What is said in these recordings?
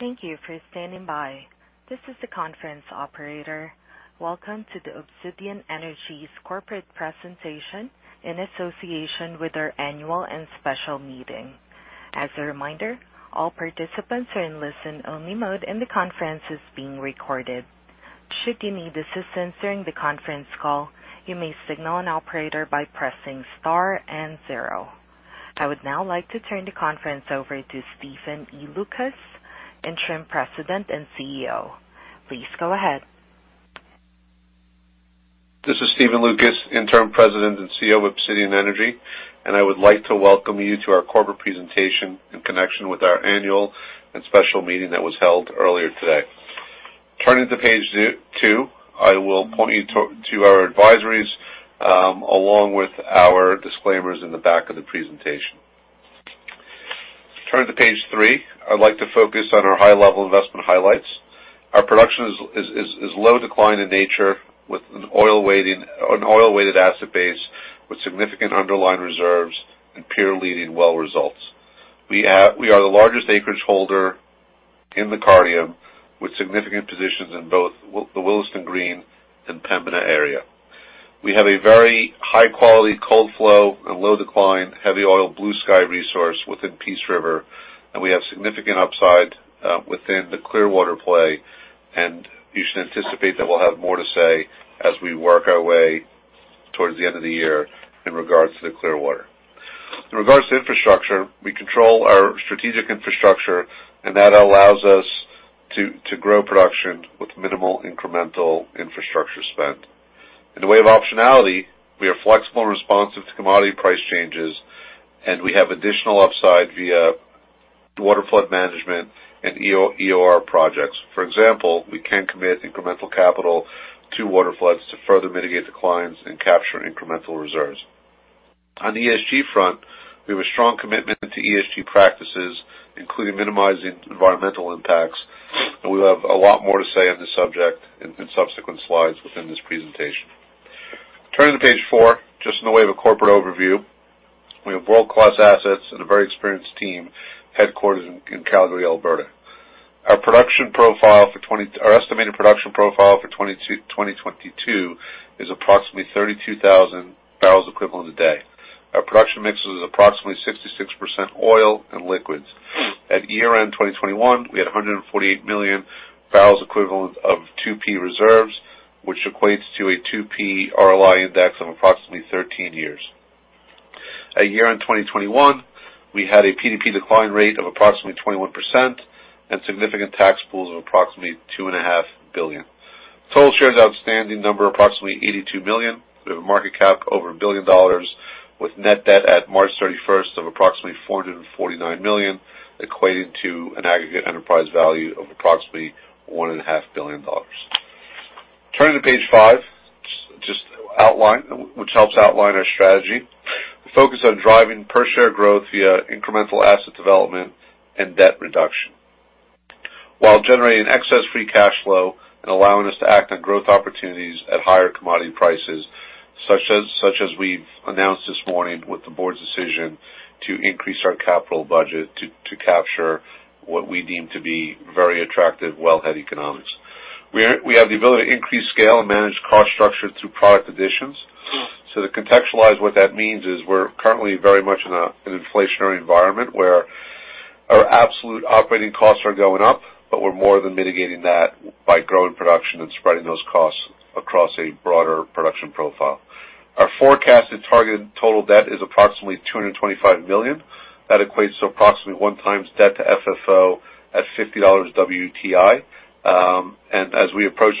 Thank you for standing by. This is the conference operator. Welcome to the Obsidian Energy's corporate presentation in association with our annual and special meeting. As a reminder, all participants are in listen-only mode, and the conference is being recorded. Should you need assistance during the conference call, you may signal an operator by pressing star and zero. I would now like to turn the conference over to Stephen Loukas, Interim President and CEO. Please go ahead. This is Stephen Loukas, Interim President and CEO of Obsidian Energy, and I would like to welcome you to our corporate presentation in connection with our annual and special meeting that was held earlier today. Turning to page two, I will point you to our advisories along with our disclaimers in the back of the presentation. Turning to page three, I'd like to focus on our high-level investment highlights. Our production is low decline in nature with an oil-weighted asset base with significant underlying reserves and peer-leading well results. We are the largest acreage holder in the Cardium, with significant positions in both the Willesden Green and Pembina area. We have a very high-quality cold flow and low decline, heavy oil Bluesky resource within Peace River, and we have significant upside within the Clearwater play, and you should anticipate that we'll have more to say as we work our way towards the end of the year in regards to the Clearwater. In regards to infrastructure, we control our strategic infrastructure, and that allows us to grow production with minimal incremental infrastructure spend. In the way of optionality, we are flexible and responsive to commodity price changes, and we have additional upside via waterflood management and EOR projects. For example, we can commit incremental capital to waterfloods to further mitigate declines and capture incremental reserves. On the ESG front, we have a strong commitment to ESG practices, including minimizing environmental impacts, and we'll have a lot more to say on this subject in subsequent slides within this presentation. Turning to page four, just in the way of a corporate overview, we have world-class assets and a very experienced team headquartered in Calgary, Alberta. Our estimated production profile for 2022 is approximately 32,000 BOE a day. Our production mix is approximately 66% oil and liquids. At year-end 2021, we had 148 million BOE of 2P reserves, which equates to a 2P RLI index of approximately 13 years. At year-end 2021, we had a PDP decline rate of approximately 21% and significant tax pools of approximately 2.5 billion. Total shares outstanding approximately 82 million. We have a market cap over 1 billion dollars with net debt at March 31 of approximately 449 million, equating to an aggregate enterprise value of approximately 1.5 billion dollars. Turning to page five, which helps outline our strategy. We focus on driving per share growth via incremental asset development and debt reduction while generating excess free cash flow and allowing us to act on growth opportunities at higher commodity prices, such as we've announced this morning with the board's decision to increase our capital budget to capture what we deem to be very attractive wellhead economics. We have the ability to increase scale and manage cost structure through production additions. To contextualize what that means is we're currently very much in an inflationary environment where our absolute operating costs are going up, but we're more than mitigating that by growing production and spreading those costs across a broader production profile. Our forecasted targeted total debt is approximately 225 million. That equates to approximately 1x debt to FFO at $50 WTI. As we approach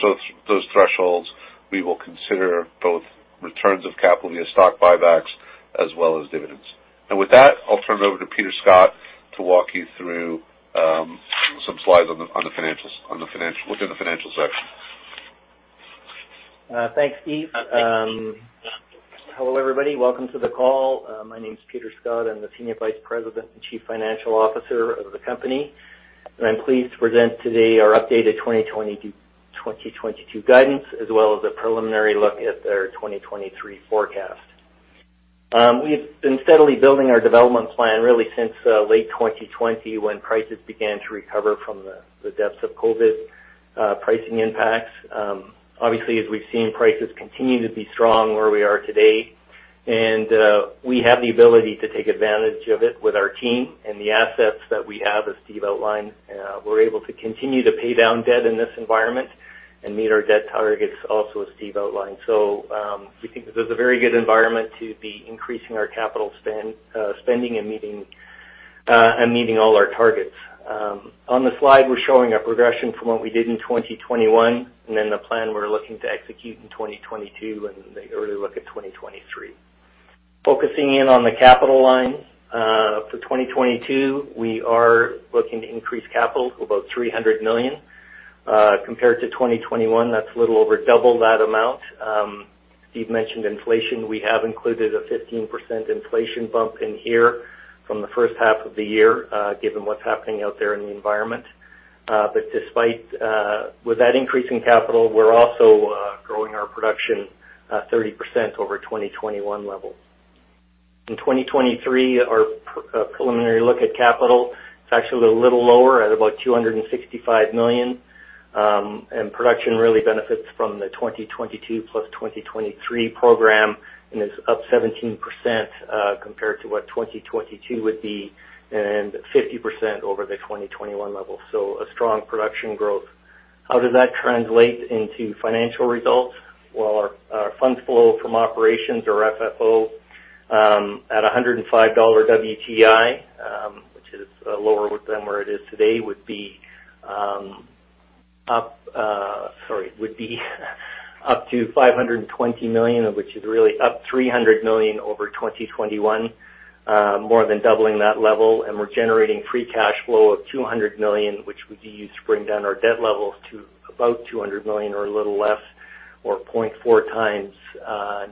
those thresholds, we will consider both returns of capital via stock buybacks as well as dividends. With that, I'll turn it over to Peter D. Scott to walk you through some slides on the financials within the financial section. Thanks, Steve. Hello, everybody. Welcome to the call. My name is Peter D. Scott. I'm the Senior Vice President and Chief Financial Officer of the company. I'm pleased to present today our updated 2022 guidance, as well as a preliminary look at our 2023 forecast. We've been steadily building our development plan really since late 2020 when prices began to recover from the depths of COVID pricing impacts. Obviously, as we've seen prices continue to be strong where we are today, and we have the ability to take advantage of it with our team and the assets that we have, as Steve outlined. We're able to continue to pay down debt in this environment and meet our debt targets also, as Steve outlined. We think this is a very good environment to be increasing our capital spending and meeting all our targets. On the slide, we're showing a progression from what we did in 2021, and then the plan we're looking to execute in 2022, and the early look at 2023. Focusing in on the capital lines, for 2022, we are looking to increase capital to about 300 million, compared to 2021. That's a little over double that amount. Steve mentioned inflation. We have included a 15% inflation bump in here from the first half of the year, given what's happening out there in the environment. Despite with that increase in capital, we're also growing our production 30% over 2021 levels. In 2023, our preliminary look at capital is actually a little lower at about 265 million. Production really benefits from the 2022 plus 2023 program and is up 17% compared to what 2022 would be and 50% over the 2021 level. A strong production growth. How does that translate into financial results? Well, our funds flow from operations or FFO at $105 WTI, which is lower than where it is today, would be up to 520 million, which is really up 300 million over 2021, more than doubling that level. We're generating free cash flow of 200 million, which would be used to bring down our debt levels to about 200 million or a little less, or 0.4 times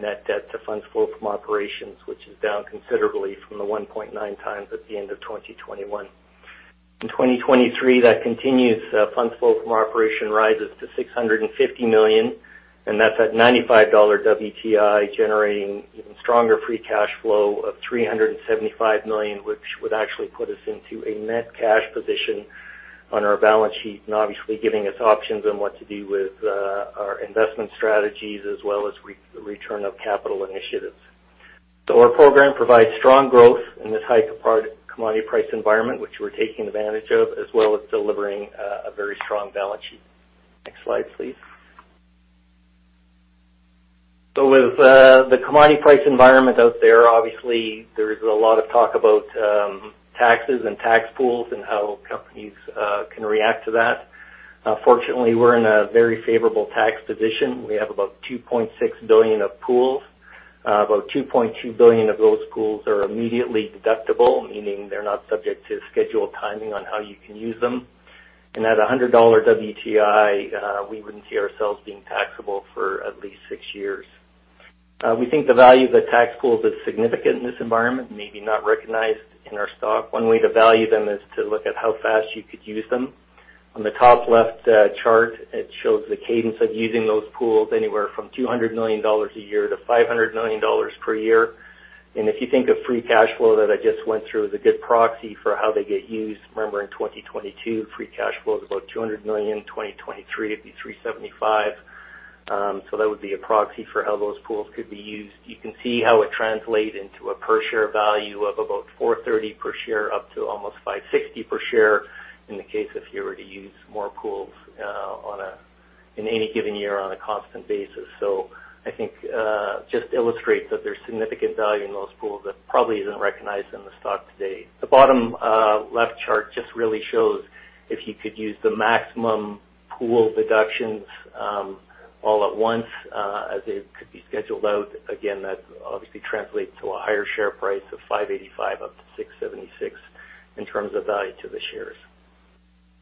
net debt to funds flow from operations, which is down considerably from the 1.9x at the end of 2021. In 2023, that continues. Funds flow from operations rises to 650 million, and that's at $95 WTI generating even stronger free cash flow of 375 million, which would actually put us into a net cash position on our balance sheet, and obviously giving us options on what to do with our investment strategies as well as return of capital initiatives. Our program provides strong growth in this high commodity price environment, which we're taking advantage of, as well as delivering a very strong balance sheet. Next slide, please. With the commodity price environment out there, obviously there is a lot of talk about taxes and tax pools and how companies can react to that. Fortunately, we're in a very favorable tax position. We have about 2.6 billion of pools. About 2.2 billion of those pools are immediately deductible, meaning they're not subject to scheduled timing on how you can use them. At $100 WTI, we wouldn't see ourselves being taxable for at least six years. We think the value of the tax pools is significant in this environment, maybe not recognized in our stock. One way to value them is to look at how fast you could use them. On the top left chart, it shows the cadence of using those pools anywhere from 200 million dollars a year to 500 million dollars per year. If you think of free cash flow that I just went through as a good proxy for how they get used, remember, in 2022, free cash flow is about 200 million, 2023 it'd be 375 million. So that would be a proxy for how those pools could be used. You can see how it translates into a per share value of about 4.30 per share, up to almost 5.60 per share in the case if you were to use more pools in any given year on a constant basis. I think, just illustrates that there's significant value in those pools that probably isn't recognized in the stock to date. The bottom, left chart just really shows if you could use the maximum pool deductions, all at once, as it could be scheduled out. Again, that obviously translates to a higher share price of 5.85-6.76 in terms of value to the shares.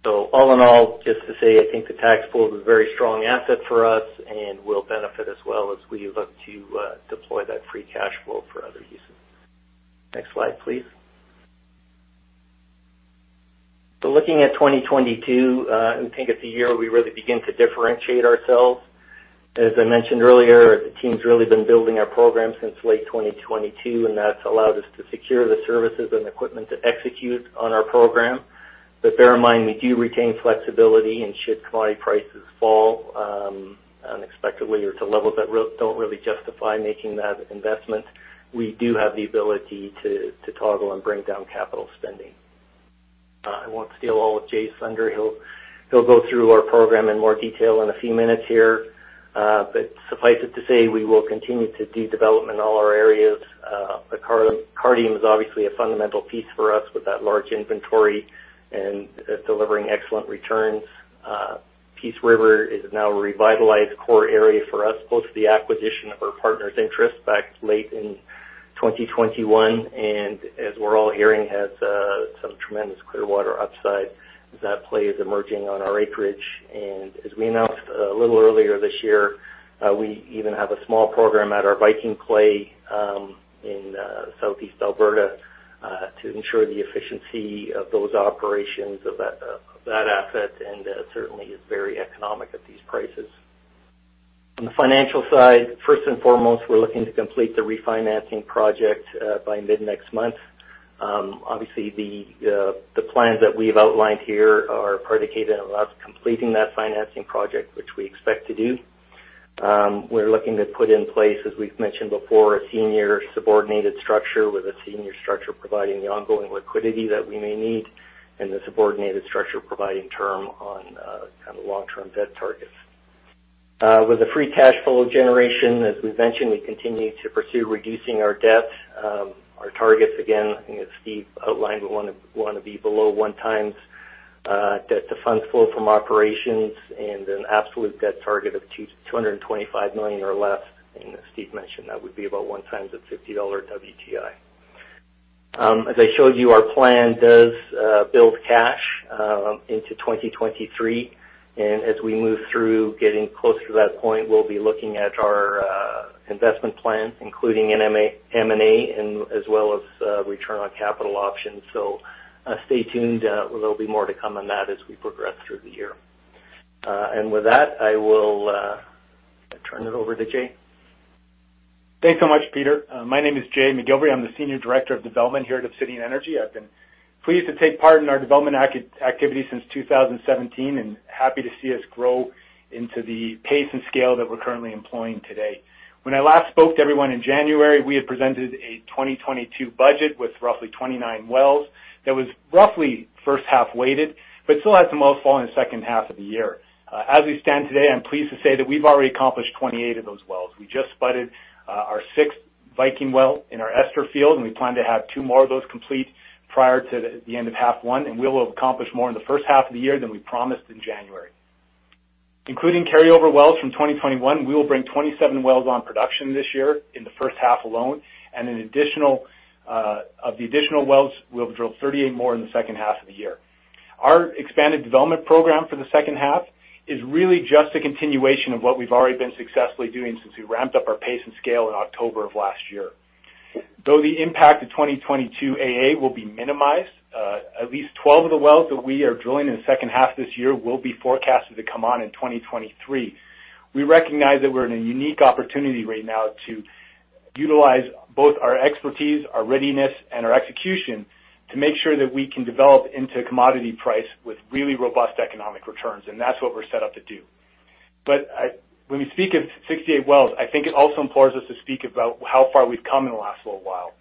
All in all, just to say, I think the tax pool is a very strong asset for us and will benefit as well as we look to deploy that free cash flow for other uses. Next slide, please. Looking at 2022, we think it's a year we really begin to differentiate ourselves. As I mentioned earlier, the team's really been building our program since late 2022, and that's allowed us to secure the services and equipment to execute on our program. Bear in mind, we do retain flexibility and should commodity prices fall unexpectedly or to levels that don't really justify making that investment, we do have the ability to toggle and bring down capital spending. I won't steal all of Jay's thunder. He'll go through our program in more detail in a few minutes here. Suffice it to say, we will continue to do development in all our areas. Cardium is obviously a fundamental piece for us with that large inventory and it delivering excellent returns. Peace River is now a revitalized core area for us, post the acquisition of our partner's interest back late in 2021, and as we're all hearing, has some tremendous Clearwater upside as that play is emerging on our acreage. As we announced a little earlier this year, we even have a small program at our Viking play in southeast Alberta to ensure the efficiency of those operations of that asset, and certainly is very economic at these prices. On the financial side, first and foremost, we're looking to complete the refinancing project by mid next month. Obviously the plans that we've outlined here are predicated on us completing that financing project, which we expect to do. We're looking to put in place, as we've mentioned before, a senior subordinated structure with a senior structure providing the ongoing liquidity that we may need, and the subordinated structure providing term on, kind of long-term debt targets. With the free cash flow generation, as we've mentioned, we continue to pursue reducing our debt. Our targets again, I think as Steve outlined, we wanna be below 1x debt to funds flow from operations and an absolute debt target of 225 million or less. As Steve mentioned, that would be about 1x at $50 WTI. As I showed you, our plan does build cash into 2023, and as we move through getting closer to that point, we'll be looking at our investment plans, including an M&A and as well as return on capital options. Stay tuned. There'll be more to come on that as we progress through the year. With that, I will turn it over to Jay. Thanks so much, Peter. My name is Jay McGilvary. I'm the Senior Director of Development here at Obsidian Energy. I've been pleased to take part in our development activity since 2017, and happy to see us grow into the pace and scale that we're currently employing today. When I last spoke to everyone in January, we had presented a 2022 budget with roughly 29 wells that was roughly first half weighted, but still has the most activity in the second half of the year. As we stand today, I'm pleased to say that we've already accomplished 28 of those wells. We just spudded our sixth Viking well in our Esther field, and we plan to have two more of those complete prior to the end of the first half, and we will have accomplished more in the first half of the year than we promised in January. Including carryover wells from 2021, we will bring 27 wells on production this year in the first half alone, and of the additional wells, we'll drill 38 more in the second half of the year. Our expanded development program for the second half is really just a continuation of what we've already been successfully doing since we ramped up our pace and scale in October of last year. Though the impact of 2022 A&D will be minimized, at least 12 of the wells that we are drilling in the second half this year will be forecasted to come on in 2023. We recognize that we're in a unique opportunity right now to utilize both our expertise, our readiness, and our execution to make sure that we can develop into commodity price with really robust economic returns, and that's what we're set up to do. When we speak of 68 wells, I think it also implores us to speak about how far we've come in the last little while.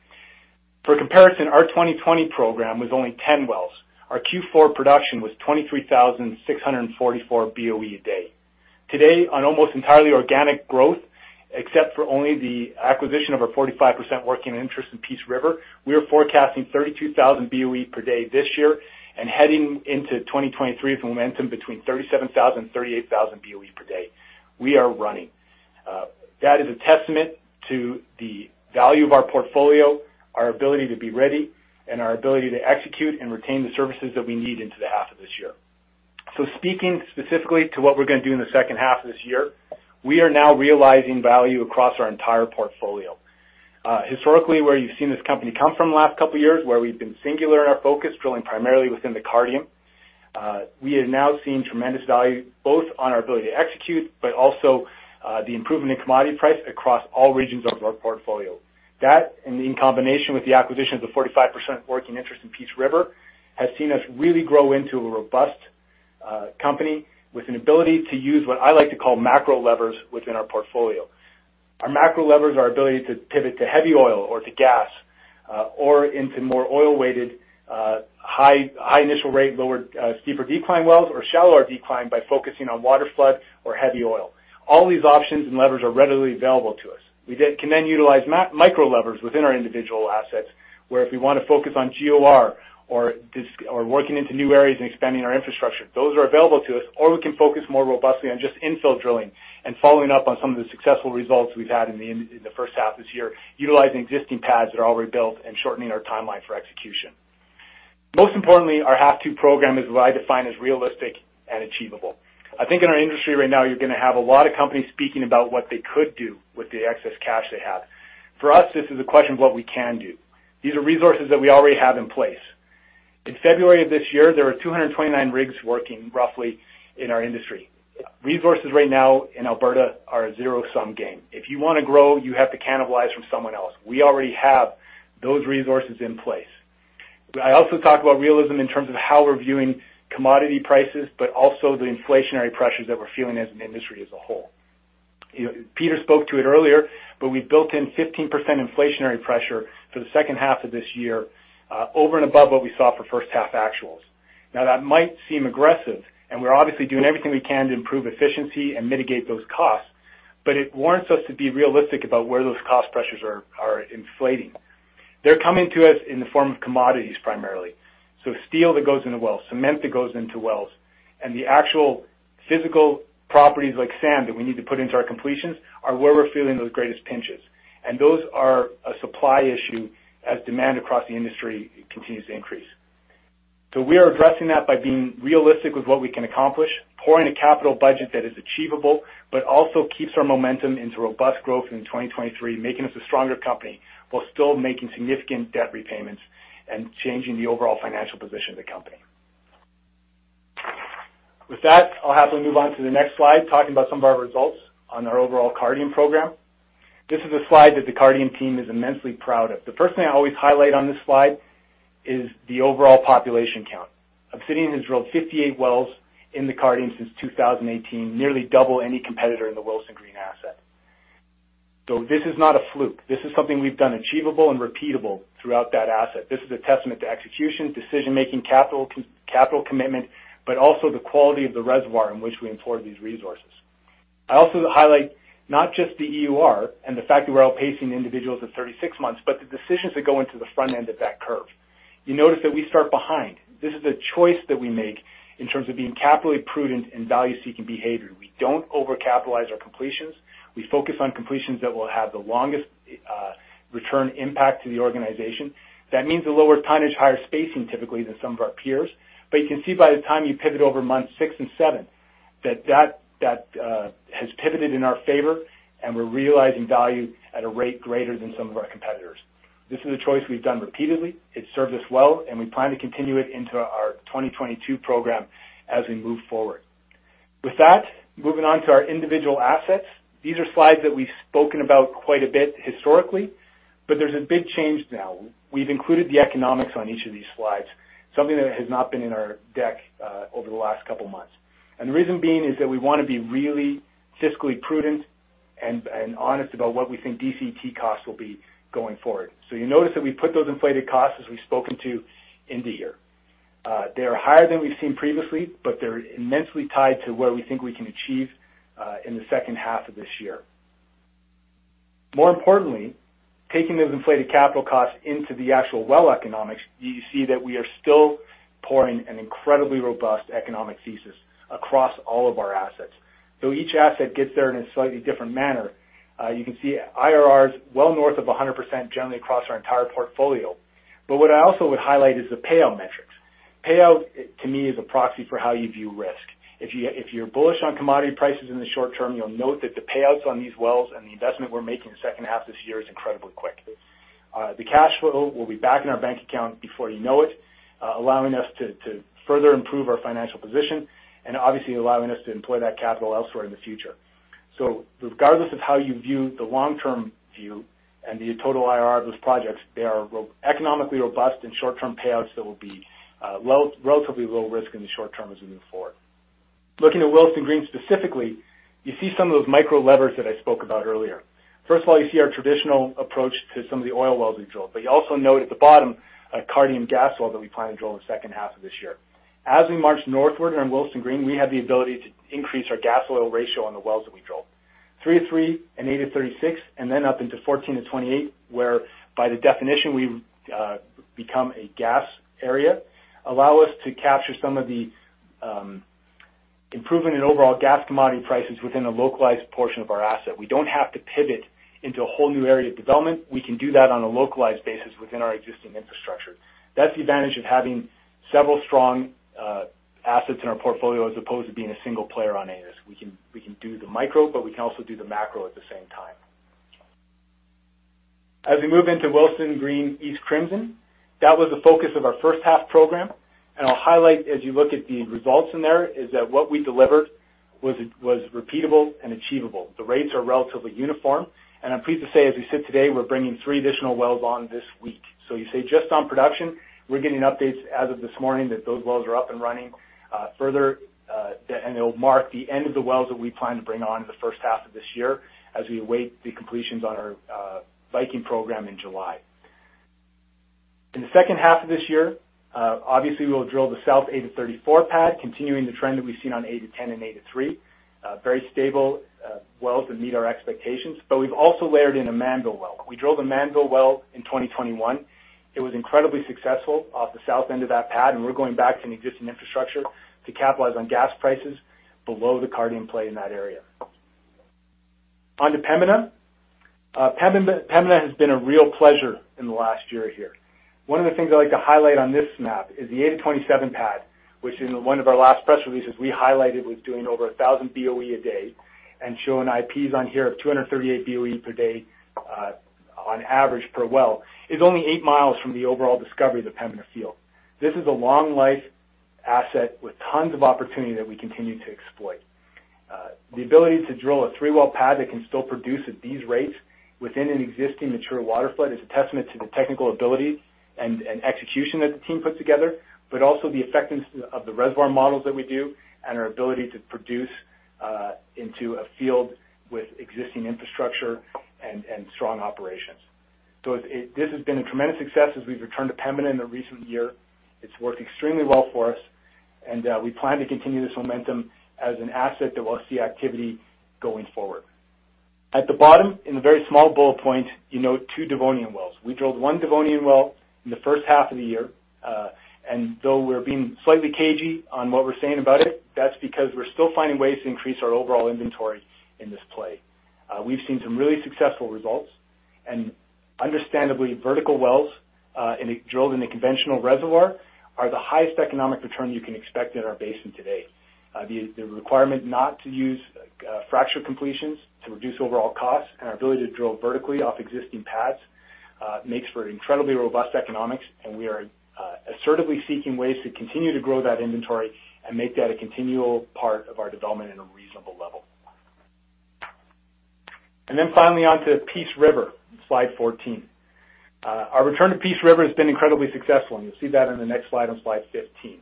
For comparison, our 2020 program was only 10 wells. Our Q4 production was 23,644 BOE a day. Today, on almost entirely organic growth, except for only the acquisition of our 45% working interest in Peace River, we are forecasting 32,000 BOE per day this year, and heading into 2023 with momentum between 37,000 and 38,000 BOE per day. We are running. That is a testament to the value of our portfolio, our ability to be ready, and our ability to execute and retain the services that we need into the half of this year. Speaking specifically to what we're gonna do in the second half of this year, we are now realizing value across our entire portfolio. Historically, where you've seen this company come from the last couple of years, where we've been singular in our focus, drilling primarily within the Cardium, we are now seeing tremendous value both on our ability to execute, but also, the improvement in commodity price across all regions of our portfolio. That, and in combination with the acquisition of the 45% working interest in Peace River, has seen us really grow into a robust, company with an ability to use what I like to call macro levers within our portfolio. Our macro levers are our ability to pivot to heavy oil or to gas, or into more oil-weighted, high initial rate, lower, steeper decline wells or shallower decline by focusing on water flood or heavy oil. All these options and levers are readily available to us. We can then utilize macro-micro levers within our individual assets, where if we wanna focus on GOR or working into new areas and expanding our infrastructure, those are available to us, or we can focus more robustly on just infill drilling and following up on some of the successful results we've had in the first half of this year, utilizing existing pads that are already built and shortening our timeline for execution. Most importantly, our half two program is what I define as realistic and achievable. I think in our industry right now, you're gonna have a lot of companies speaking about what they could do with the excess cash they have. For us, this is a question of what we can do. These are resources that we already have in place. In February of this year, there were 229 rigs working roughly in our industry. Resources right now in Alberta are a zero-sum game. If you wanna grow, you have to cannibalize from someone else. We already have those resources in place. I also talk about realism in terms of how we're viewing commodity prices, but also the inflationary pressures that we're feeling as an industry as a whole. You know, Peter spoke to it earlier, but we built in 15% inflationary pressure for the second half of this year, over and above what we saw for first half actuals. Now, that might seem aggressive, and we're obviously doing everything we can to improve efficiency and mitigate those costs, but it warrants us to be realistic about where those cost pressures are inflating. They're coming to us in the form of commodities primarily. Steel that goes into wells, cement that goes into wells, and the actual physical properties like sand that we need to put into our completions are where we're feeling those greatest pinches. Those are a supply issue as demand across the industry continues to increase. We are addressing that by being realistic with what we can accomplish, pouring a capital budget that is achievable, but also keeps our momentum into robust growth in 2023, making us a stronger company while still making significant debt repayments and changing the overall financial position of the company. With that, I'll happily move on to the next slide, talking about some of our results on our overall Cardium program. This is a slide that the Cardium team is immensely proud of. The first thing I always highlight on this slide is the overall population count. Obsidian has drilled 58 wells in the Cardium since 2018, nearly double any competitor in the Willesden Green asset. This is not a fluke. This is something we've done achievable and repeatable throughout that asset. This is a testament to execution, decision-making, capital commitment, but also the quality of the reservoir in which we import these resources. I also highlight not just the EUR and the fact that we're outpacing individuals at 36 months, but the decisions that go into the front end of that curve. You notice that we start behind. This is a choice that we make in terms of being capitally prudent and value-seeking behavior. We don't overcapitalize our completions. We focus on completions that will have the longest return impact to the organization. That means a lower tonnage, higher spacing typically than some of our peers. You can see by the time you pivot over month six and seven, that has pivoted in our favor, and we're realizing value at a rate greater than some of our competitors. This is a choice we've done repeatedly. It serves us well, and we plan to continue it into our 2022 program as we move forward. With that, moving on to our individual assets. These are slides that we've spoken about quite a bit historically, but there's a big change now. We've included the economics on each of these slides, something that has not been in our deck over the last couple of months. The reason being is that we wanna be really fiscally prudent and honest about what we think DC&T costs will be going forward. You notice that we put those inflated costs, as we've spoken to, in the year. They are higher than we've seen previously, but they're immensely tied to what we think we can achieve, in the second half of this year. More importantly, taking those inflated capital costs into the actual well economics, you see that we are still proving an incredibly robust economic thesis across all of our assets. Each asset gets there in a slightly different manner. You can see IRRs well north of 100% generally across our entire portfolio. What I also would highlight is the payout metrics. Payout, to me, is a proxy for how you view risk. If you're bullish on commodity prices in the short term, you'll note that the payouts on these wells and the investment we're making in the second half of this year is incredibly quick. The cash flow will be back in our bank account before you know it, allowing us to further improve our financial position and obviously allowing us to employ that capital elsewhere in the future. Regardless of how you view the long-term view and the total IRR of those projects, they are economically robust and short-term payouts that will be relatively low risk in the short term as we move forward. Looking at Willesden Green specifically, you see some of those micro levers that I spoke about earlier. First of all, you see our traditional approach to some of the oil wells we drilled, but you also note at the bottom a Cardium gas well that we plan to drill in the second half of this year. As we march northward on Willesden Green, we have the ability to increase our gas oil ratio on the wells that we drill. three to three and eight to 36, and then up into 14 to 28, where by the definition, we become a gas area, allow us to capture some of the improvement in overall gas commodity prices within a localized portion of our asset. We don't have to pivot into a whole new area of development. We can do that on a localized basis within our existing infrastructure. That's the advantage of having several strong assets in our portfolio as opposed to being a single player on Anus. We can do the micro, but we can also do the macro at the same time. As we move into Willesden Green, East Crimson, that was the focus of our first half program. I'll highlight as you look at the results in there, is that what we delivered was repeatable and achievable. The rates are relatively uniform, and I'm pleased to say, as we sit today, we're bringing three additional wells on this week. You say just on production, we're getting updates as of this morning that those wells are up and running, and it'll mark the end of the wells that we plan to bring on in the first half of this year as we await the completions on our Viking program in July. In the second half of this year, obviously we'll drill the South eight-34 pad, continuing the trend that we've seen on eight-10 and eight-three. Very stable wells that meet our expectations, but we've also layered in a Mannville well. We drilled a Mannville well in 2021. It was incredibly successful off the south end of that pad, and we're going back to an existing infrastructure to capitalize on gas prices below the Cardium play in that area. On to Pembina. Pembina has been a real pleasure in the last year here. One of the things I'd like to highlight on this map is the eight to 27 pad, which in one of our last press releases we highlighted was doing over 1,000 BOE a day and showing IPs on here of 238 BOE per day, on average per well, is only eight miles from the overall discovery of the Pembina field. This is a long life asset with tons of opportunity that we continue to exploit. The ability to drill a three-well pad that can still produce at these rates within an existing mature water flood is a testament to the technical ability and execution that the team put together, but also the effectiveness of the reservoir models that we do and our ability to produce into a field with existing infrastructure and strong operations. This has been a tremendous success as we've returned to Pembina in the recent year. It's worked extremely well for us, and we plan to continue this momentum as an asset that will see activity going forward. At the bottom, in the very small bullet point, you note two Devonian wells. We drilled one Devonian well in the first half of the year, and though we're being slightly cagey on what we're saying about it, that's because we're still finding ways to increase our overall inventory in this play. We've seen some really successful results. Understandably, vertical wells drilled in a conventional reservoir are the highest economic return you can expect in our basin today. The requirement not to use fracture completions to reduce overall costs and our ability to drill vertically off existing pads makes for incredibly robust economics, and we are assertively seeking ways to continue to grow that inventory and make that a continual part of our development in a reasonable level. Finally, on to Peace River, slide 14. Our return to Peace River has been incredibly successful, and you'll see that in the next slide, on slide 15.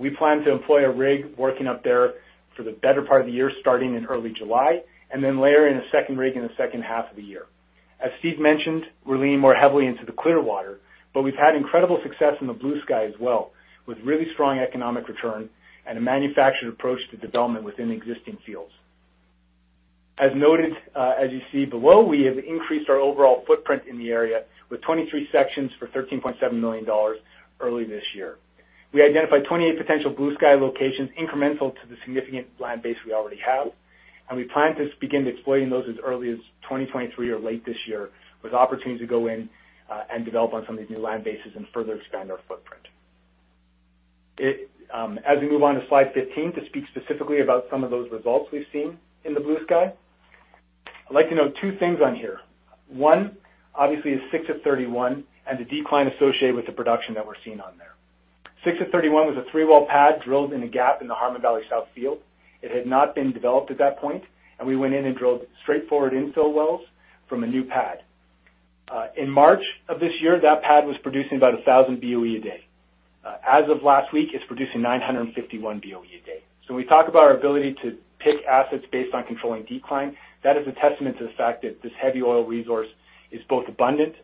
We plan to employ a rig working up there for the better part of the year, starting in early July, and then layer in a second rig in the second half of the year. As Steve mentioned, we're leaning more heavily into the Clearwater, but we've had incredible success in the Bluesky as well, with really strong economic return and a manufactured approach to development within existing fields. As noted, as you see below, we have increased our overall footprint in the area with 23 sections for 13.7 million dollars early this year. We identified 28 potential Bluesky locations incremental to the significant land base we already have, and we plan to begin exploiting those as early as 2023 or late this year, with opportunities to go in, and develop on some of these new land bases and further expand our footprint. As we move on to slide 15 to speak specifically about some of those results we've seen in the Bluesky, I'd like to note two things on here. One, obviously, is six of 31 and the decline associated with the production that we're seeing on there. six of 31 was a three-well pad drilled in a gap in the Harmon Valley South field. It had not been developed at that point, and we went in and drilled straightforward infill wells from a new pad. In March of this year, that pad was producing about 1,000 BOE a day. As of last week, it's producing 951 BOE a day. When we talk about our ability to pick assets based on controlling decline, that is a testament to the fact that this heavy oil resource is both abundant,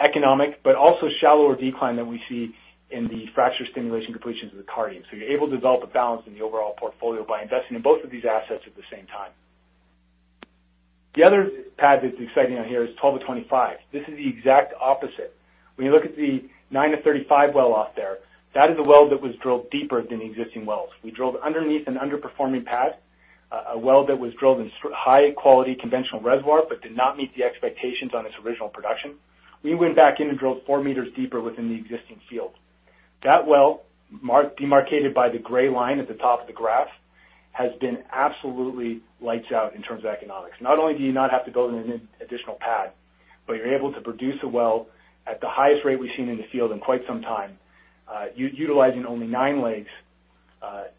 economic, but also shallower decline than we see in the fracture stimulation completions of the Cardium. You're able to develop a balance in the overall portfolio by investing in both of these assets at the same time. The other pad that's exciting on here is 12 to 25. This is the exact opposite. When you look at the nine to 35 well off there, that is a well that was drilled deeper than the existing wells. We drilled underneath an underperforming pad, a well that was drilled in high-quality conventional reservoir but did not meet the expectations on its original production. We went back in and drilled four meters deeper within the existing field. That well, demarcated by the gray line at the top of the graph, has been absolutely lights out in terms of economics. Not only do you not have to build an additional pad, but you're able to produce a well at the highest rate we've seen in the field in quite some time, utilizing only nine legs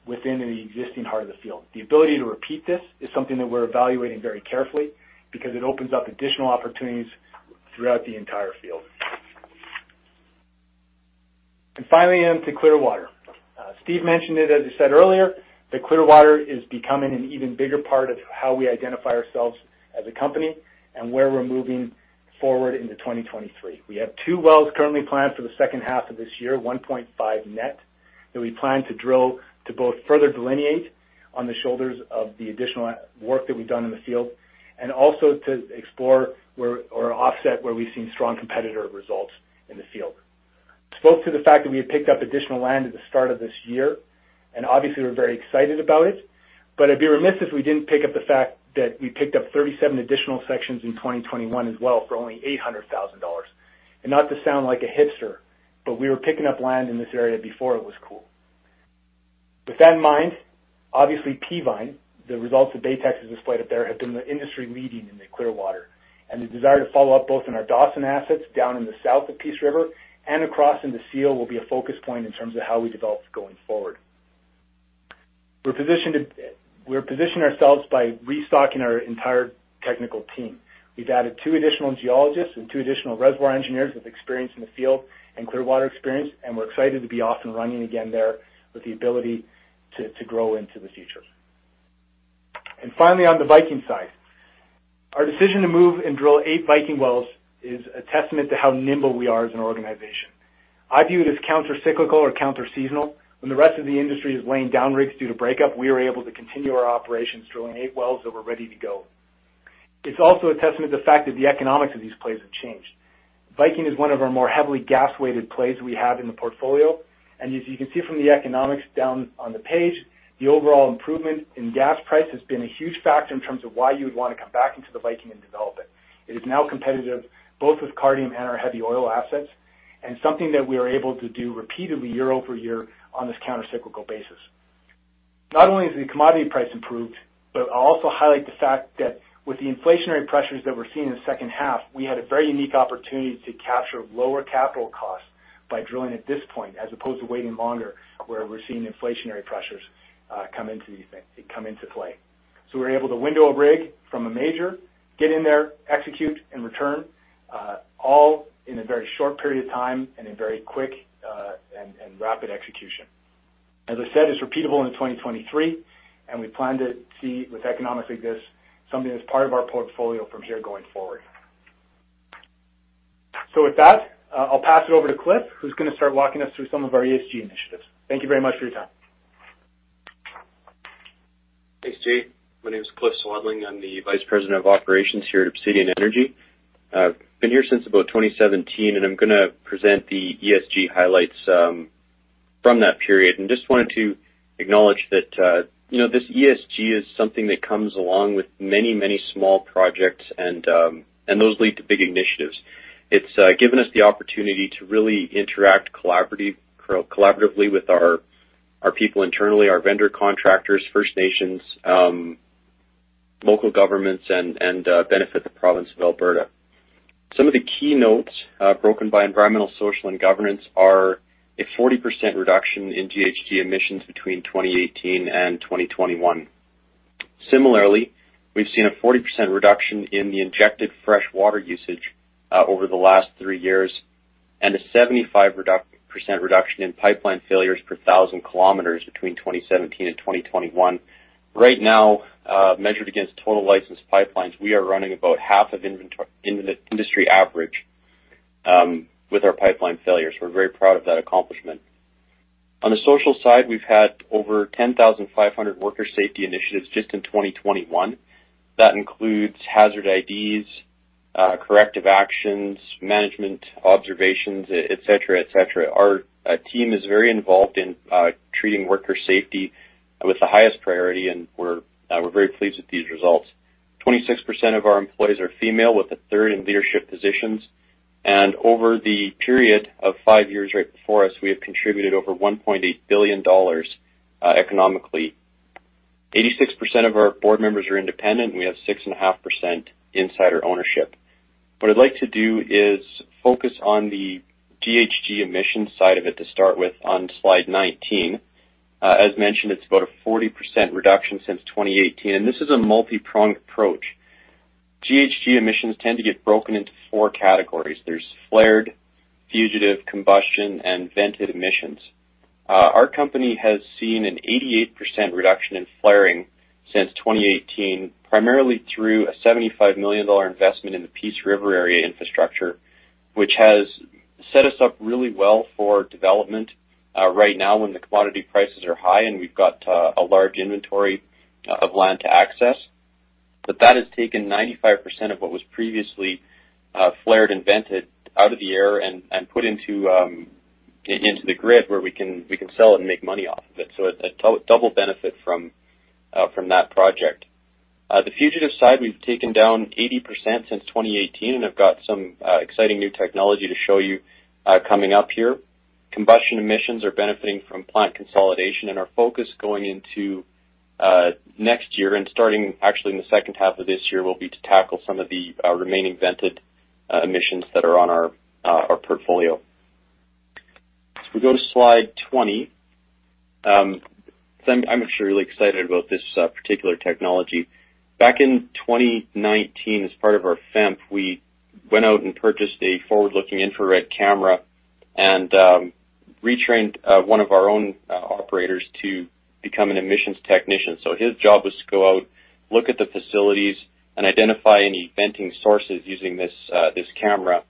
within the existing heart of the field. The ability to repeat this is something that we're evaluating very carefully because it opens up additional opportunities throughout the entire field. Finally, on to Clearwater. Steve mentioned it, as I said earlier, that Clearwater is becoming an even bigger part of how we identify ourselves as a company and where we're moving forward into 2023. We have two wells currently planned for the second half of this year, 1.5 net, that we plan to drill to both further delineate on the shoulders of the additional work that we've done in the field and also to explore where or offset where we've seen strong competitor results in the field. Spoke to the fact that we had picked up additional land at the start of this year, and obviously, we're very excited about it. I'd be remiss if we didn't pick up the fact that we picked up 37 additional sections in 2021 as well for only 800,000 dollars. Not to sound like a hipster, but we were picking up land in this area before it was cool. With that in mind, obviously, Peavine, the results that Baytex has displayed up there have been the industry-leading in the Clearwater. The desire to follow up both in our Dawson assets down in the south of Peace River and across in the Seal will be a focus point in terms of how we develop going forward. We're positioning ourselves by restocking our entire technical team. We've added two additional geologists and two additional reservoir engineers with experience in the field and Clearwater experience, and we're excited to be off and running again there with the ability to grow into the future. Finally, on the Viking side. Our decision to move and drill eight Viking wells is a testament to how nimble we are as an organization. I view it as countercyclical or counterseasonal. When the rest of the industry is laying down rigs due to breakup, we are able to continue our operations drilling eight wells that were ready to go. It's also a testament to the fact that the economics of these plays have changed. Viking is one of our more heavily gas-weighted plays we have in the portfolio. As you can see from the economics down on the page, the overall improvement in gas price has been a huge factor in terms of why you would wanna come back into the Viking and develop it. It is now competitive both with Cardium and our heavy oil assets, and something that we are able to do repeatedly year over year on this countercyclical basis. Not only has the commodity price improved, but I'll also highlight the fact that with the inflationary pressures that we're seeing in the second half, we had a very unique opportunity to capture lower capital costs by drilling at this point, as opposed to waiting longer where we're seeing inflationary pressures, come into play. We were able to window a rig from a major, get in there, execute, and return, all in a very short period of time and in very quick, and rapid execution. As I said, it's repeatable into 2023, and we plan to see with economics like this something that's part of our portfolio from here going forward. With that, I'll pass it over to Cliff, who's gonna start walking us through some of our ESG initiatives. Thank you very much for your time. Thanks, Jay. My name is Cliff Swadling. I'm the Vice President of Operations here at Obsidian Energy. I've been here since about 2017, and I'm gonna present the ESG highlights from that period. Just wanted to acknowledge that, you know, this ESG is something that comes along with many small projects and those lead to big initiatives. It's given us the opportunity to really interact collaboratively with our people internally, our vendor contractors, First Nations, local governments, and benefit the province of Alberta. Some of the key notes broken by environmental, social, and governance are a 40% reduction in GHG emissions between 2018 and 2021. Similarly, we've seen a 40% reduction in the injected fresh water usage over the last three years and a 75% reduction in pipeline failures per 1,000 Km between 2017 and 2021. Right now, measured against total licensed pipelines, we are running about half of industry average with our pipeline failures. We're very proud of that accomplishment. On the social side, we've had over 10,500 worker safety initiatives just in 2021. That includes hazard IDs, corrective actions, management observations, et cetera, et cetera. Our team is very involved in treating worker safety with the highest priority, and we're very pleased with these results. 26% of our employees are female, with a third in leadership positions. Over the period of five years right before us, we have contributed over 1.8 billion dollars economically. 86% of our board members are independent, and we have 6.5% insider ownership. What I'd like to do is focus on the GHG emission side of it to start with on slide 19. As mentioned, it's about a 40% reduction since 2018, and this is a multi-pronged approach. GHG emissions tend to get broken into four categories. There's flared, fugitive, combustion, and vented emissions. Our company has seen an 88% reduction in flaring since 2018, primarily through a 75 million dollar investment in the Peace River area infrastructure, which has set us up really well for development right now when the commodity prices are high and we've got a large inventory of land to access. That has taken 95% of what was previously flared and vented out of the air and put into the grid where we can sell it and make money off of it. A two-fold benefit from that project. The fugitive side, we've taken down 80% since 2018, and I've got some exciting new technology to show you coming up here. Combustion emissions are benefiting from plant consolidation and our focus going into next year and starting actually in the second half of this year will be to tackle some of the remaining vented emissions that are on our portfolio. If we go to slide 20, I'm actually really excited about this particular technology. Back in 2019, as part of our FEMP, we went out and purchased a forward-looking infrared camera and retrained one of our own operators to become an emissions technician. His job was to go out, look at the facilities, and identify any venting sources using this camera,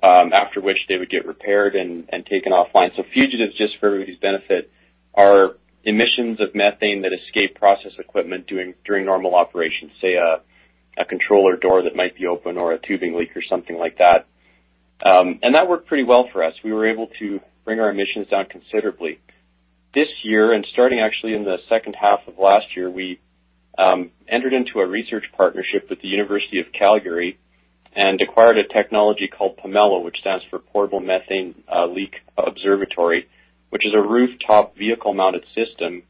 after which they would get repaired and taken offline. Fugitives, just for everybody's benefit, are emissions of methane that escape process equipment during normal operations, say a controller door that might be open or a tubing leak or something like that. That worked pretty well for us. We were able to bring our emissions down considerably. This year, and starting actually in the second half of last year, we entered into a research partnership with the University of Calgary and acquired a technology called PoMELO, which stands for Portable Methane Leak Observatory, which is a rooftop vehicle-mounted system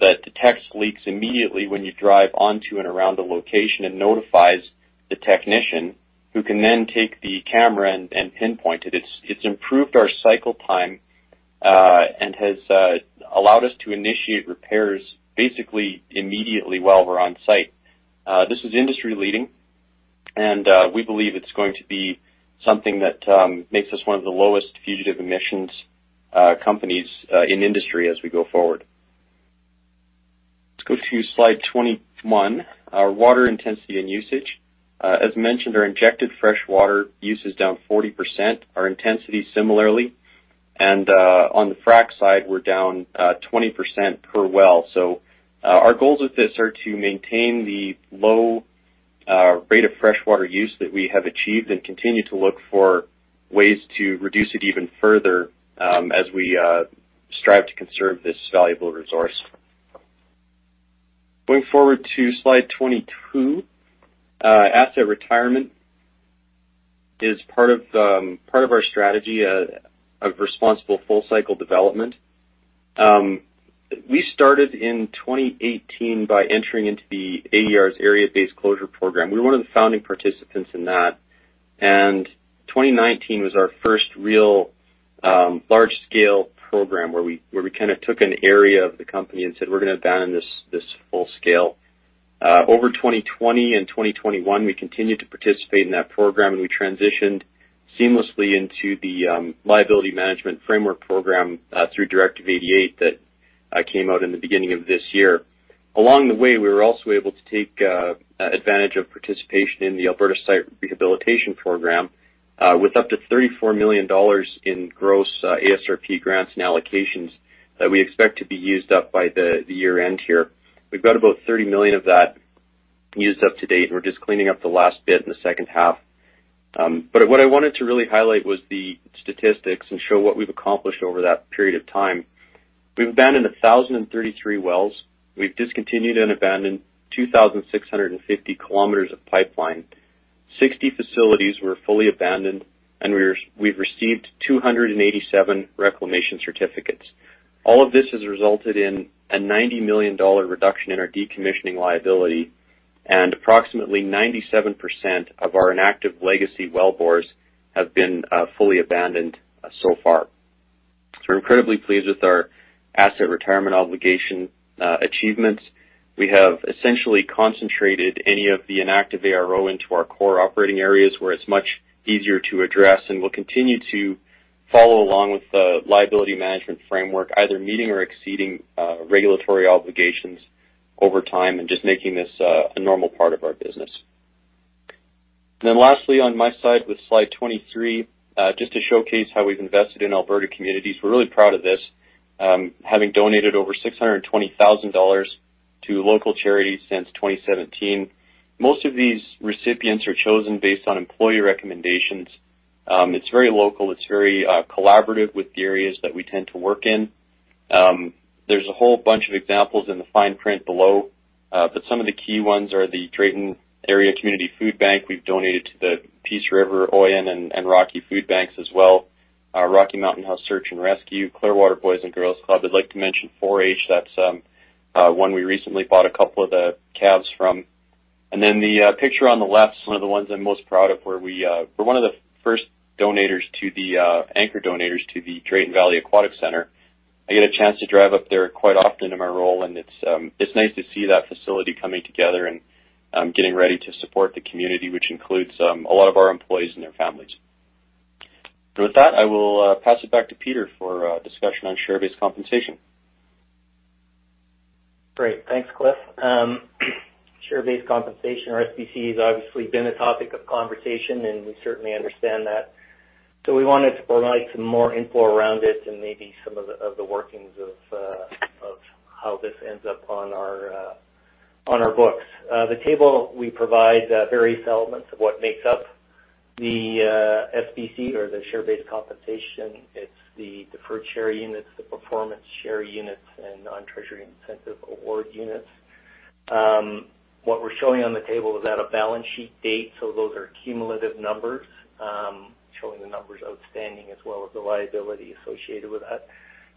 that detects leaks immediately when you drive onto and around the location and notifies the technician, who can then take the camera and pinpoint it. It's improved our cycle time and has allowed us to initiate repairs basically immediately while we're on site. This is industry-leading, and we believe it's going to be something that makes us one of the lowest fugitive emissions companies in industry as we go forward. Let's go to slide 21. Our water intensity and usage. As mentioned, our injected fresh water use is down 40%, our intensity similarly. On the frack side, we're down 20% per well. Our goals with this are to maintain the low rate of fresh water use that we have achieved and continue to look for ways to reduce it even further, as we strive to conserve this valuable resource. Going forward to slide 22. Asset retirement is part of our strategy of responsible full-cycle development. We started in 2018 by entering into the AER's Area-Based Closure program. We were one of the founding participants in that. 2019 was our first real, large-scale program where we kinda took an area of the company and said, "We're gonna abandon this full scale." Over 2020 and 2021, we continued to participate in that program, and we transitioned seamlessly into the Liability Management Framework program through Directive 088 that came out in the beginning of this year. Along the way, we were also able to take advantage of participation in the Alberta Site Rehabilitation Program with up to 34 million dollars in gross ASRP grants and allocations that we expect to be used up by the year-end here. We've got about 30 million of that used up to date, and we're just cleaning up the last bit in the second half. What I wanted to really highlight was the statistics and show what we've accomplished over that period of time. We've abandoned 1,033 wells. We've discontinued and abandoned 2,650 kilometers of pipeline. 60 facilities were fully abandoned, and we've received 287 reclamation certificates. All of this has resulted in a 90 million dollar reduction in our decommissioning liability, and approximately 97% of our inactive legacy wellbores have been fully abandoned so far. We're incredibly pleased with our asset retirement obligation achievements. We have essentially concentrated any of the inactive ARO into our core operating areas where it's much easier to address, and we'll continue to follow along with the Liability Management Framework, either meeting or exceeding regulatory obligations over time and just making this a normal part of our business. Lastly, on my side with slide 23, just to showcase how we've invested in Alberta communities. We're really proud of this, having donated over 620,000 dollars to local charities since 2017. Most of these recipients are chosen based on employee recommendations. It's very local. It's very collaborative with the areas that we tend to work in. There's a whole bunch of examples in the fine print below, but some of the key ones are the Drayton Valley and District Food Bank. We've donated to the Peace River, Oyen, and Rocky Food Banks as well. Rocky Mountain House Volunteer Search and Rescue, Clearwater Boys and Girls Club. I'd like to mention 4-H. That's one we recently bought a couple of the calves from. The picture on the left is one of the ones I'm most proud of where we were one of the first donators to the anchor donators to the Drayton Valley Aquatic Center. I get a chance to drive up there quite often in my role, and it's nice to see that facility coming together and getting ready to support the community, which includes a lot of our employees and their families. With that, I will pass it back to Peter for discussion on share-based compensation. Great. Thanks, Cliff. Share-based compensation or SBC has obviously been a topic of conversation, and we certainly understand that. We wanted to provide some more info around it and maybe some of the workings of how this ends up on our books. The table we provide various elements of what makes up the SBC or the share-based compensation. It's the deferred share units, the performance share units, and non-treasury incentive award units. What we're showing on the table is at a balance sheet date, so those are cumulative numbers showing the numbers outstanding as well as the liability associated with that.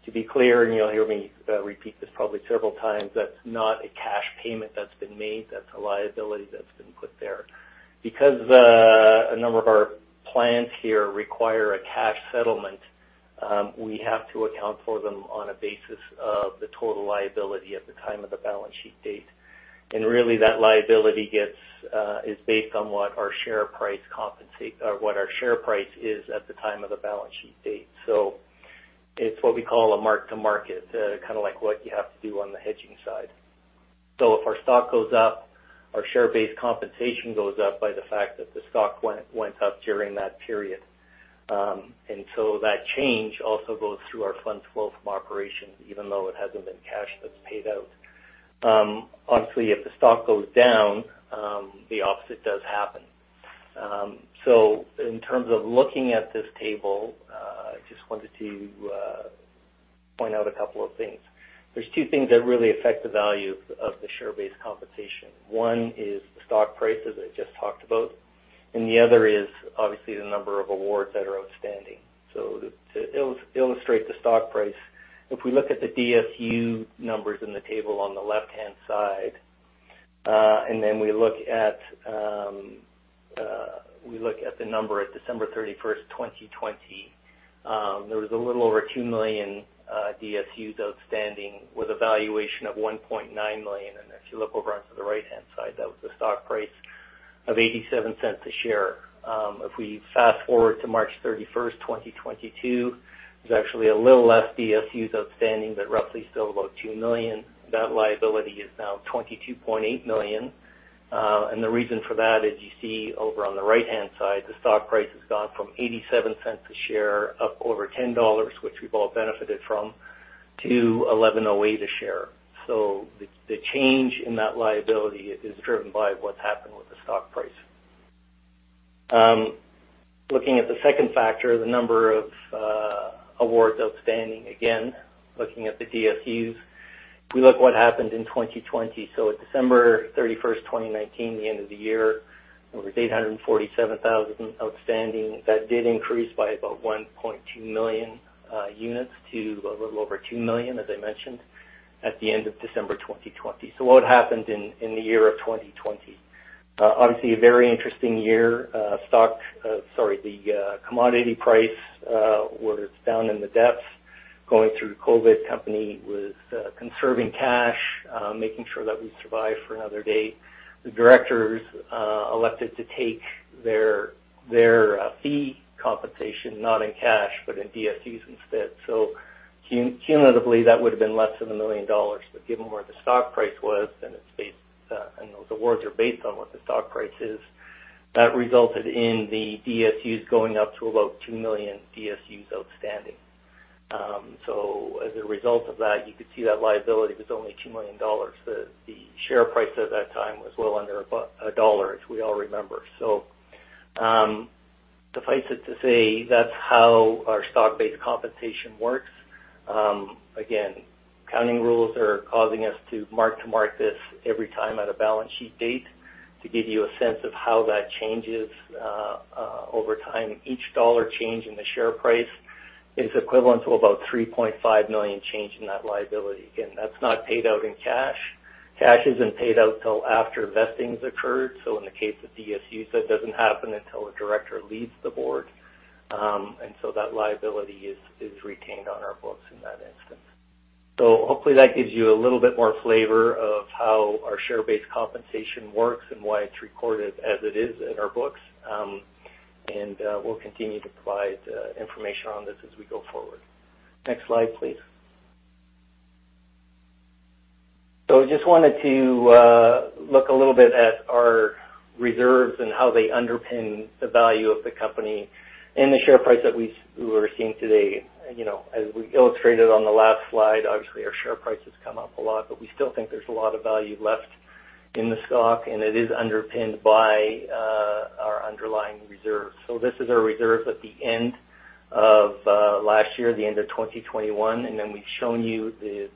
To be clear, and you'll hear me repeat this probably several times, that's not a cash payment that's been made. That's a liability that's been put there. Because a number of our plans here require a cash settlement, we have to account for them on a basis of the total liability at the time of the balance sheet date. Really, that liability is based on what our share price is at the time of the balance sheet date. It's what we call a mark-to-market, kinda like what you have to do on the hedging side. If our stock goes up, our share-based compensation goes up by the fact that the stock went up during that period. That change also goes through our funds flow from operations, even though it hasn't been cash that's paid out. Obviously, if the stock goes down, the opposite does happen. In terms of looking at this table, just wanted to point out a couple of things. There's two things that really affect the value of the share-based compensation. One is the stock prices I just talked about, and the other is obviously the number of awards that are outstanding. To illustrate the stock price, if we look at the DSU numbers in the table on the left-hand side, and then we look at the number at December 31, 2020, there was a little over 2 million DSUs outstanding with a valuation of 1.9 million. If you look over onto the right-hand side, that was the stock price of 0.87 a share. If we fast-forward to March 31, 2022, there's actually a little less DSUs outstanding, but roughly still about 2 million. That liability is now 22.8 million. The reason for that is you see over on the right-hand side, the stock price has gone from 0.87 a share up over 10 dollars, which we've all benefited from, to 11.08 a share. The change in that liability is driven by what's happened with the stock price. Looking at the second factor, the number of awards outstanding, again, looking at the DSUs, if we look at what happened in 2020. At December 31, 2019, the end of the year, there was 847,000 outstanding. That did increase by about 1.2 million units to a little over 2 million, as I mentioned, at the end of December 2020. What happened in the year of 2020? Obviously a very interesting year. The commodity price was down in the depths. Going through COVID, company was conserving cash, making sure that we survived for another day. The directors elected to take their fee compensation not in cash, but in DSUs instead. Cumulatively, that would have been less than 1 million dollars. But given where the stock price was, and it's based, and those awards are based on what the stock price is, that resulted in the DSUs going up to about 2 million DSUs outstanding. As a result of that, you could see that liability was only 2 million dollars. The share price at that time was well under a dollar, as we all remember. Suffice it to say, that's how our stock-based compensation works. Again, accounting rules are causing us to mark to market this every time at a balance sheet date to give you a sense of how that changes over time. Each dollar change in the share price is equivalent to about 3.5 million change in that liability. Again, that's not paid out in cash. Cash isn't paid out till after vesting's occurred. In the case of DSUs, that doesn't happen until a director leaves the board. That liability is retained on our books in that instance. Hopefully that gives you a little bit more flavor of how our share-based compensation works and why it's recorded as it is in our books. We'll continue to provide information on this as we go forward. Next slide, please. Just wanted to look a little bit at our reserves and how they underpin the value of the company and the share price that we're seeing today. You know, as we illustrated on the last slide, obviously our share price has come up a lot, but we still think there's a lot of value left in the stock, and it is underpinned by our underlying reserves. This is our reserve at the end of last year, the end of 2021, and then we've shown you the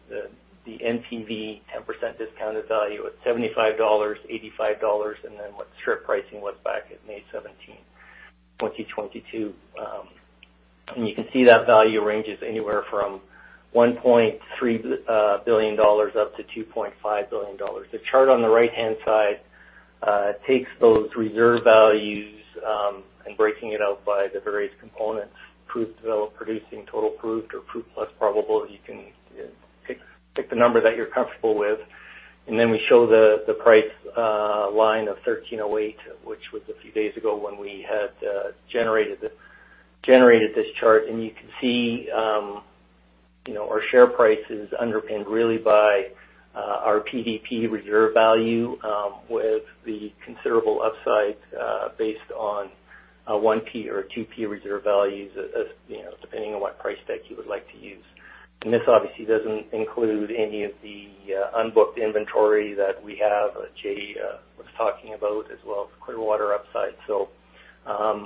NPV 10% discounted value at $75, $85, and then what strip pricing was back at May 17, 2022. You can see that value ranges anywhere from 1.3 billion-2.5 billion dollars. The chart on the right-hand side takes those reserve values and breaking it out by the various components, Proved Developed Producing, Total Proved, or Proved plus Probable. You can pick the number that you're comfortable with. Then we show the price line of 1308, which was a few days ago when we had generated this chart. You can see, you know, our share price is underpinned really by our PDP reserve value, with the considerable upside, based on 1P or 2P reserve values as, you know, depending on what price deck you would like to use. This obviously doesn't include any of the unbooked inventory that we have that Jay was talking about, as well as Clearwater upside.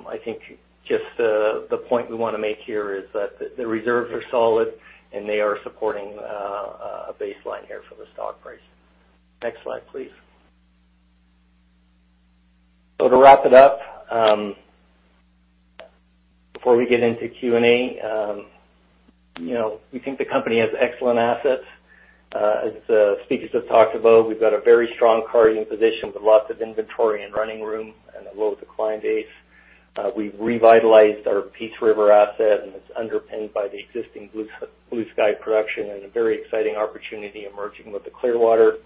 I think just the point we wanna make here is that the reserves are solid, and they are supporting a baseline here for the stock price. Next slide, please. To wrap it up, before we get into Q&A, you know, we think the company has excellent assets. As the speakers have talked about, we've got a very strong carrying position with lots of inventory and running room and a low decline base. We've revitalized our Peace River asset, and it's underpinned by the existing Bluesky production and a very exciting opportunity emerging with the Clearwater.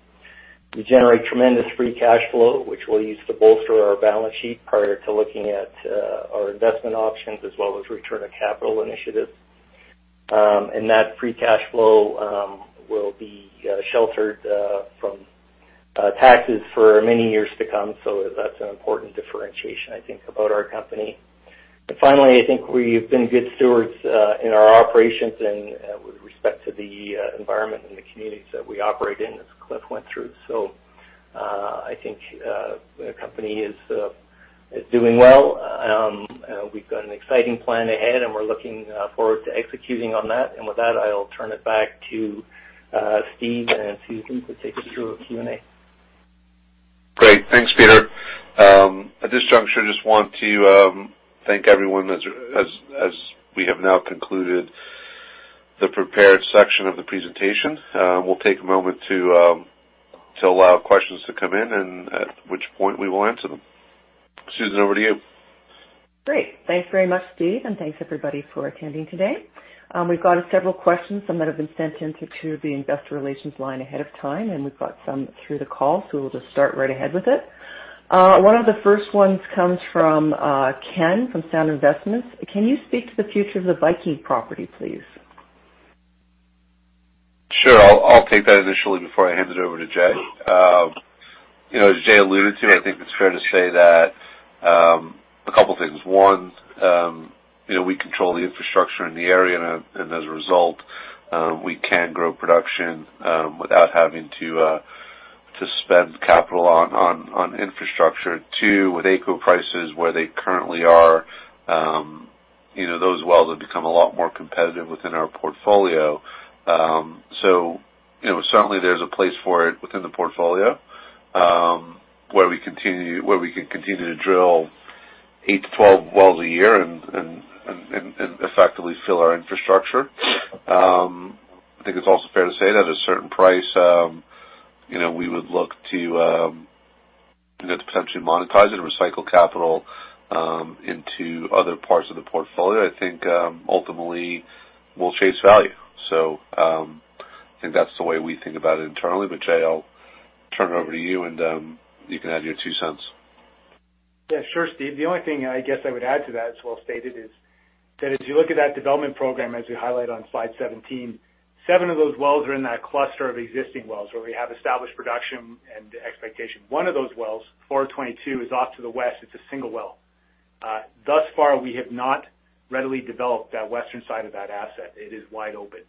We generate tremendous free cash flow, which we'll use to bolster our balance sheet prior to looking at our investment options, as well as return on capital initiatives. That free cash flow will be sheltered from taxes for many years to come. That's an important differentiation, I think, about our company. Finally, I think we've been good stewards in our operations and with respect to the environment and the communities that we operate in, as Cliff went through. I think the company is doing well. We've got an exciting plan ahead, and we're looking forward to executing on that. With that, I'll turn it back to Stephen and Susan to take us through our Q&A. Great. Thanks, Peter. At this juncture, just want to thank everyone as we have now concluded the prepared section of the presentation. We'll take a moment to allow questions to come in, and at which point, we will answer them. Susan, over to you. Great. Thanks very much, Steve, and thanks everybody for attending today. We've got several questions, some that have been sent into the investor relations line ahead of time, and we've got some through the call, so we'll just start right ahead with it. One of the first ones comes from Ken from Sound Investments. Can you speak to the future of the Viking property, please? Sure. I'll take that initially before I hand it over to Jay. You know, as Jay alluded to, I think it's fair to say that a couple things. One, you know, we control the infrastructure in the area and as a result, we can grow production without having to spend capital on infrastructure. Two, with AECO prices where they currently are, you know, those wells have become a lot more competitive within our portfolio. So, you know, certainly there's a place for it within the portfolio, where we can continue to drill 8-12 wells a year and effectively fill our infrastructure. I think it's also fair to say that at a certain price, you know, we would look to, you know, to potentially monetize it and recycle capital into other parts of the portfolio. I think, ultimately, we'll chase value. I think that's the way we think about it internally. Jay, I'll turn it over to you, and you can add your two cents. Yeah, sure, Steve. The only thing I guess I would add to that, it's well stated, is that as you look at that development program, as we highlight on slide 17, seven of those wells are in that cluster of existing wells where we have established production and expectation. One of those wells, 422, is off to the west. It's a single well. Thus far, we have not readily developed that western side of that asset. It is wide open.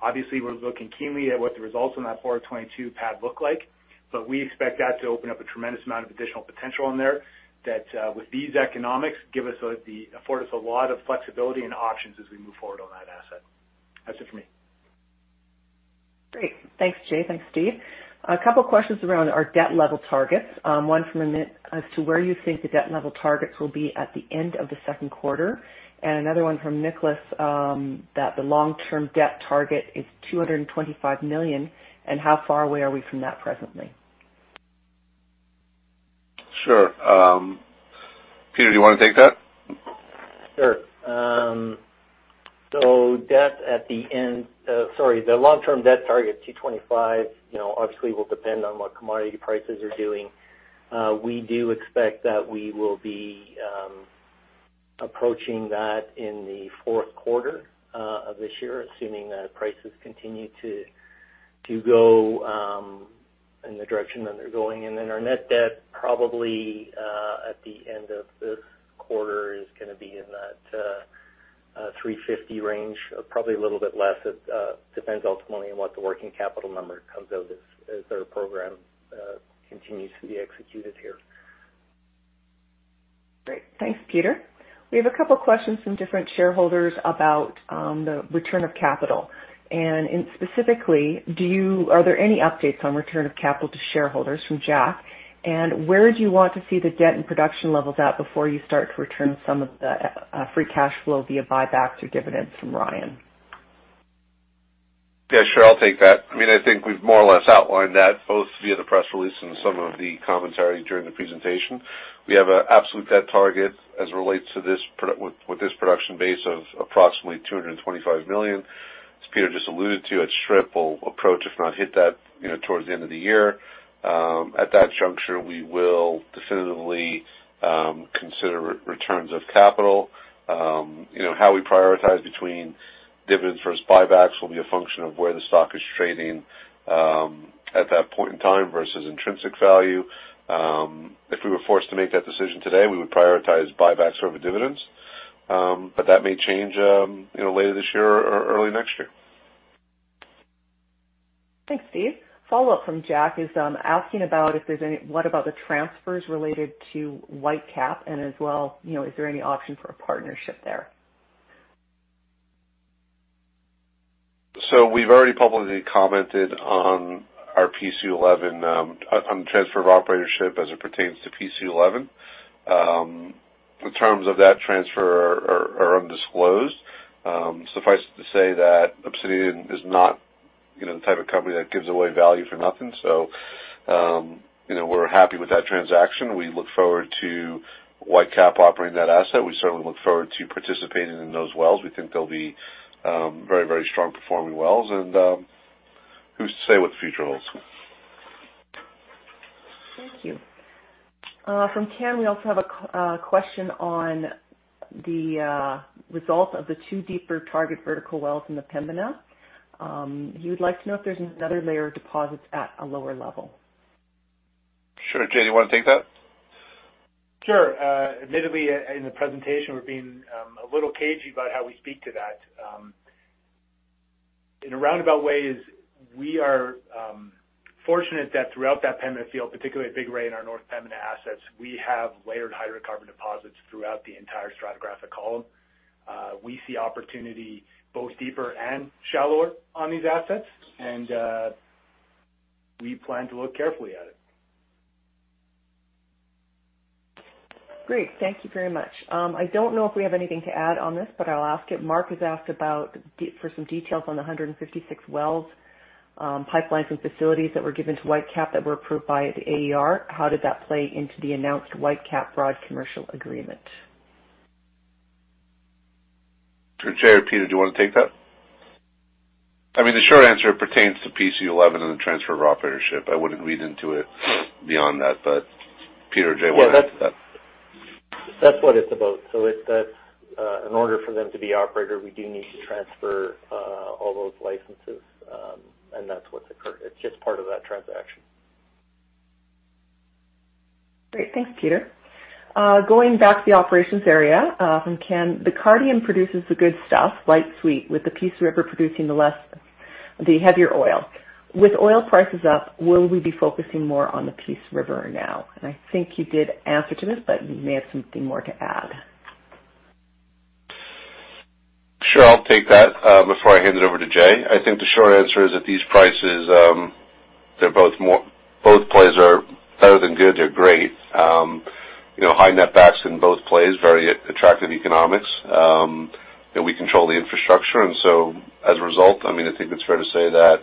Obviously, we're looking keenly at what the results on that 422 pad look like, but we expect that to open up a tremendous amount of additional potential in there that with these economics afford us a lot of flexibility and options as we move forward on that asset. That's it for me. Great. Thanks, Jay. Thanks, Steve. A couple of questions around our debt level targets, one from Amit as to where you think the debt level targets will be at the end of the second quarter, and another one from Nicholas, that the long-term debt target is 225 million, and how far away are we from that presently? Sure. Peter, do you wanna take that? The long-term debt target, 225, you know, obviously will depend on what commodity prices are doing. We do expect that we will be approaching that in the fourth quarter of this year, assuming that prices continue to go in the direction that they're going. Our net debt probably at the end of this quarter is gonna be in that. 350 range, probably a little bit less. It depends ultimately on what the working capital number comes out as their program continues to be executed here. Great. Thanks, Peter. We have a couple questions from different shareholders about the return of capital, and specifically, are there any updates on return of capital to shareholders from Jack? Where do you want to see the debt and production levels at before you start to return some of the free cash flow via buybacks or dividends from Ryan? Yeah, sure. I'll take that. I mean, I think we've more or less outlined that both via the press release and some of the commentary during the presentation. We have an absolute debt target as it relates to this production base of approximately 225 million. As Peter just alluded to, at strip, we'll approach, if not hit that, you know, towards the end of the year. At that juncture, we will definitively consider returns of capital. You know, how we prioritize between dividends versus buybacks will be a function of where the stock is trading at that point in time versus intrinsic value. If we were forced to make that decision today, we would prioritize buybacks over dividends, but that may change, you know, later this year or early next year. Thanks, Steve. Follow-up from Jack is asking about if there's any, what about the transfers related to Whitecap and as well, you know, is there any option for a partnership there? We've already publicly commented on our PC11, on the transfer of operatorship as it pertains to PC11. The terms of that transfer are undisclosed. Suffice it to say that Obsidian is not, you know, the type of company that gives away value for nothing. You know, we're happy with that transaction. We look forward to Whitecap operating that asset. We certainly look forward to participating in those wells. We think they'll be very strong performing wells, and who's to say what the future holds? Thank you. From Ken, we also have a question on the results of the two deeper target vertical wells in the Pembina. He would like to know if there's another layer of deposits at a lower level. Sure. Jay, you wanna take that? Sure. Admittedly, in the presentation, we're being a little cagey about how we speak to that. In roundabout ways, we are fortunate that throughout that Pembina Field, particularly at Bigoray in our North Pembina assets, we have layered hydrocarbon deposits throughout the entire stratigraphic column. We see opportunity both deeper and shallower on these assets, and we plan to look carefully at it. Great. Thank you very much. I don't know if we have anything to add on this, but I'll ask it. Mark has asked about for some details on the 156 wells, pipelines and facilities that were given to Whitecap that were approved by the AER. How did that play into the announced Whitecap broad commercial agreement? Sure. Jay or Peter, do you wanna take that? I mean, the short answer pertains to PC11 and the transfer of operatorship. I wouldn't read into it beyond that. Peter or Jay, why don't- Yeah, that's. That- That's what it's about. That's in order for them to be operator, we do need to transfer all those licenses, and that's what's occurred. It's just part of that transaction. Great. Thanks, Peter. Going back to the operations area, from Ken, the Cardium produces the good stuff, light sweet, with the Peace River producing the heavier oil. With oil prices up, will we be focusing more on the Peace River now? I think you did answer to this, but you may have something more to add. Sure. I'll take that, before I hand it over to Jay. I think the short answer is at these prices, both plays are better than good. They're great. You know, high netbacks in both plays, very attractive economics. You know, we control the infrastructure, and so as a result, I mean, I think it's fair to say that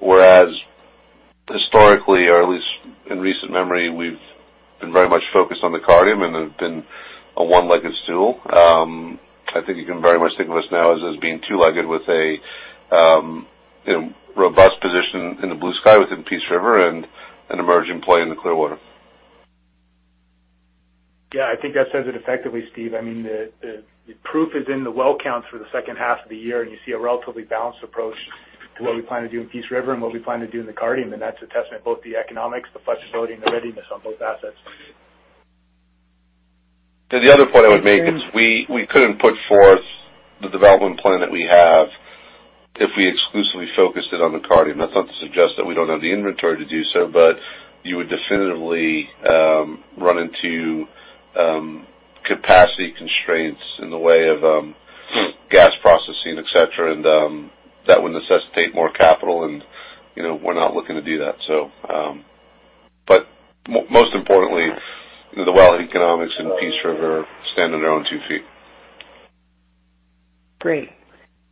whereas historically or at least in recent memory, we've been very much focused on the Cardium, and it's been a one-legged stool. I think you can very much think of us now as being two-legged with a robust position in the Bluesky within Peace River and an emerging play in the Clearwater. Yeah, I think that says it effectively, Stephen. I mean, the proof is in the well counts for the second half of the year, and you see a relatively balanced approach to what we plan to do in Peace River and what we plan to do in the Cardium, and that's a testament to both the economics, the flexibility, and the readiness on both assets. The other point I would make is we couldn't put forth the development plan that we have if we exclusively focused it on the Cardium. That's not to suggest that we don't have the inventory to do so, but you would definitively run into capacity constraints in the way of gas processing, et cetera, and that would necessitate more capital and, you know, we're not looking to do that, so. Most importantly, you know, the well economics in Peace River stand on their own two feet. Great.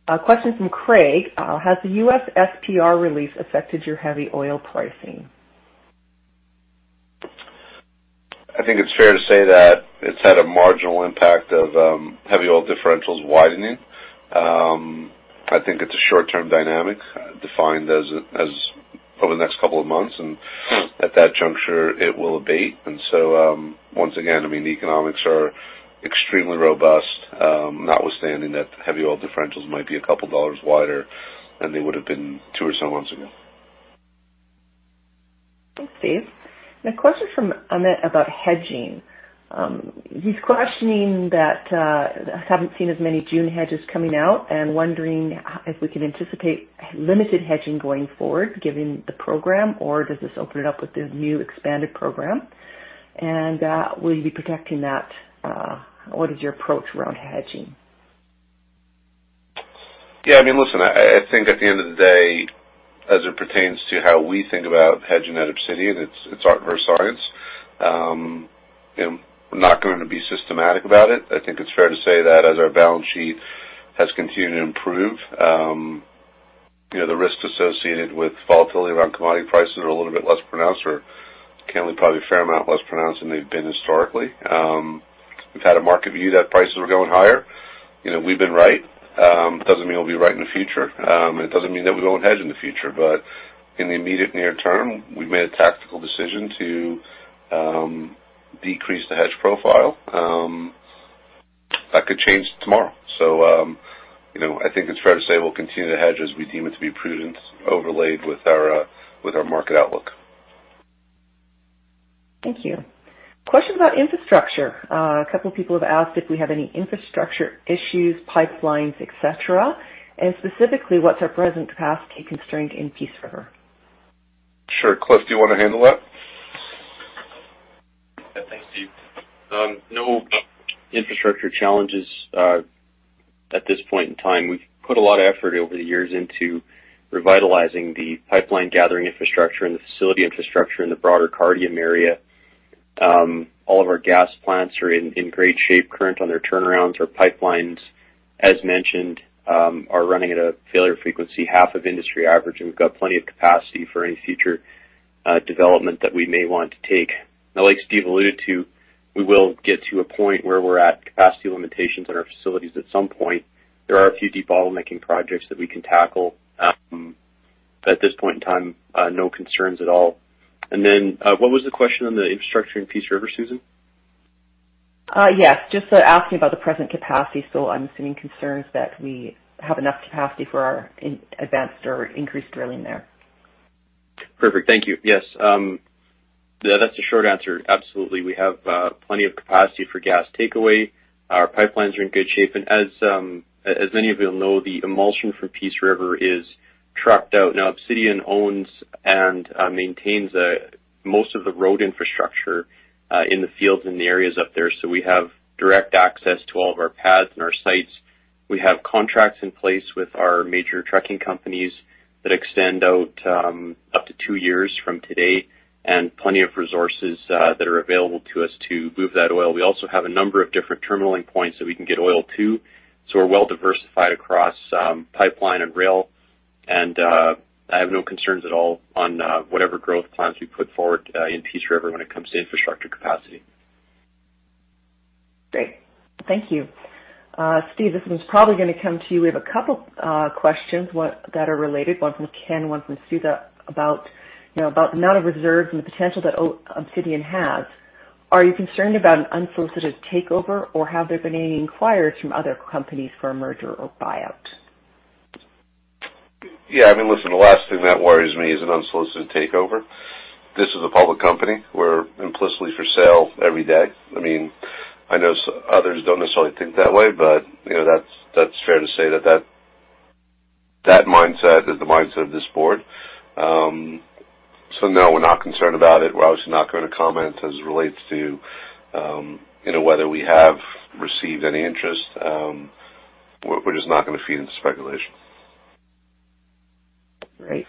A question from Craig. Has the U.S. SPR release affected your heavy oil pricing? I think it's fair to say that it's had a marginal impact of heavy oil differentials widening. I think it's a short-term dynamic defined as over the next couple of months, and at that juncture, it will abate. Once again, I mean, the economics are extremely robust, notwithstanding that heavy oil differentials might be a couple of dollars wider than they would've been two or so months ago. Thanks, Steve. Now a question from Annette about hedging. He's questioning that, haven't seen as many June hedges coming out and wondering if we can anticipate limited hedging going forward given the program, or does this open it up with this new expanded program and, will you be protecting that? What is your approach around hedging? Yeah, I mean, listen, I think at the end of the day, as it pertains to how we think about hedging at Obsidian, it's art versus science. You know, I'm not going to be systematic about it. I think it's fair to say that as our balance sheet has continued to improve, you know, the risks associated with volatility around commodity prices are a little bit less pronounced or can only probably a fair amount less pronounced than they've been historically. We've had a market view that prices are going higher. You know, we've been right. Doesn't mean we'll be right in the future. It doesn't mean that we won't hedge in the future. In the immediate near term, we've made a tactical decision to decrease the hedge profile. That could change tomorrow. You know, I think it's fair to say we'll continue to hedge as we deem it to be prudent, overlaid with our market outlook. Thank you. Question about infrastructure. A couple of people have asked if we have any infrastructure issues, pipelines, et cetera, and specifically, what's our present capacity constraint in Peace River? Sure. Cliff, do you want to handle that? Yeah. Thanks, Steve. No infrastructure challenges at this point in time. We've put a lot of effort over the years into revitalizing the pipeline gathering infrastructure and the facility infrastructure in the broader Cardium area. All of our gas plants are in great shape. Current on their turnarounds. Our pipelines, as mentioned, are running at a failure frequency half of industry average, and we've got plenty of capacity for any future development that we may want to take. Now, like Steve alluded to, we will get to a point where we're at capacity limitations on our facilities at some point. There are a few deep bottlenecking projects that we can tackle. At this point in time, no concerns at all. What was the question on the infrastructure in Peace River, Susan? Yes, just asking about the present capacity. I'm assuming concerns that we have enough capacity for our advanced or increased drilling there. Perfect. Thank you. Yes. That's the short answer. Absolutely. We have plenty of capacity for gas takeaway. Our pipelines are in good shape. As many of you know, the emulsion for Peace River is trucked out. Now, Obsidian owns and maintains most of the road infrastructure in the fields, in the areas up there. We have direct access to all of our pads and our sites. We have contracts in place with our major trucking companies that extend out up to two years from today, and plenty of resources that are available to us to move that oil. We also have a number of different terminal end points that we can get oil to. We're well diversified across pipeline and rail. I have no concerns at all on whatever growth plans we put forward in Peace River when it comes to infrastructure capacity. Great. Thank you. Stephen, this one's probably gonna come to you. We have a couple questions that are related, one from Ken, one from Sudha, about, you know, about the amount of reserves and the potential that Obsidian has. Are you concerned about an unsolicited takeover, or have there been any inquiries from other companies for a merger or buyout? Yeah, I mean, listen, the last thing that worries me is an unsolicited takeover. This is a public company. We're implicitly for sale every day. I mean, I know others don't necessarily think that way, but, you know, that's fair to say that mindset is the mindset of this board. So, no, we're not concerned about it. We're obviously not going to comment as it relates to, you know, whether we have received any interest. We're just not gonna feed into speculation. Great.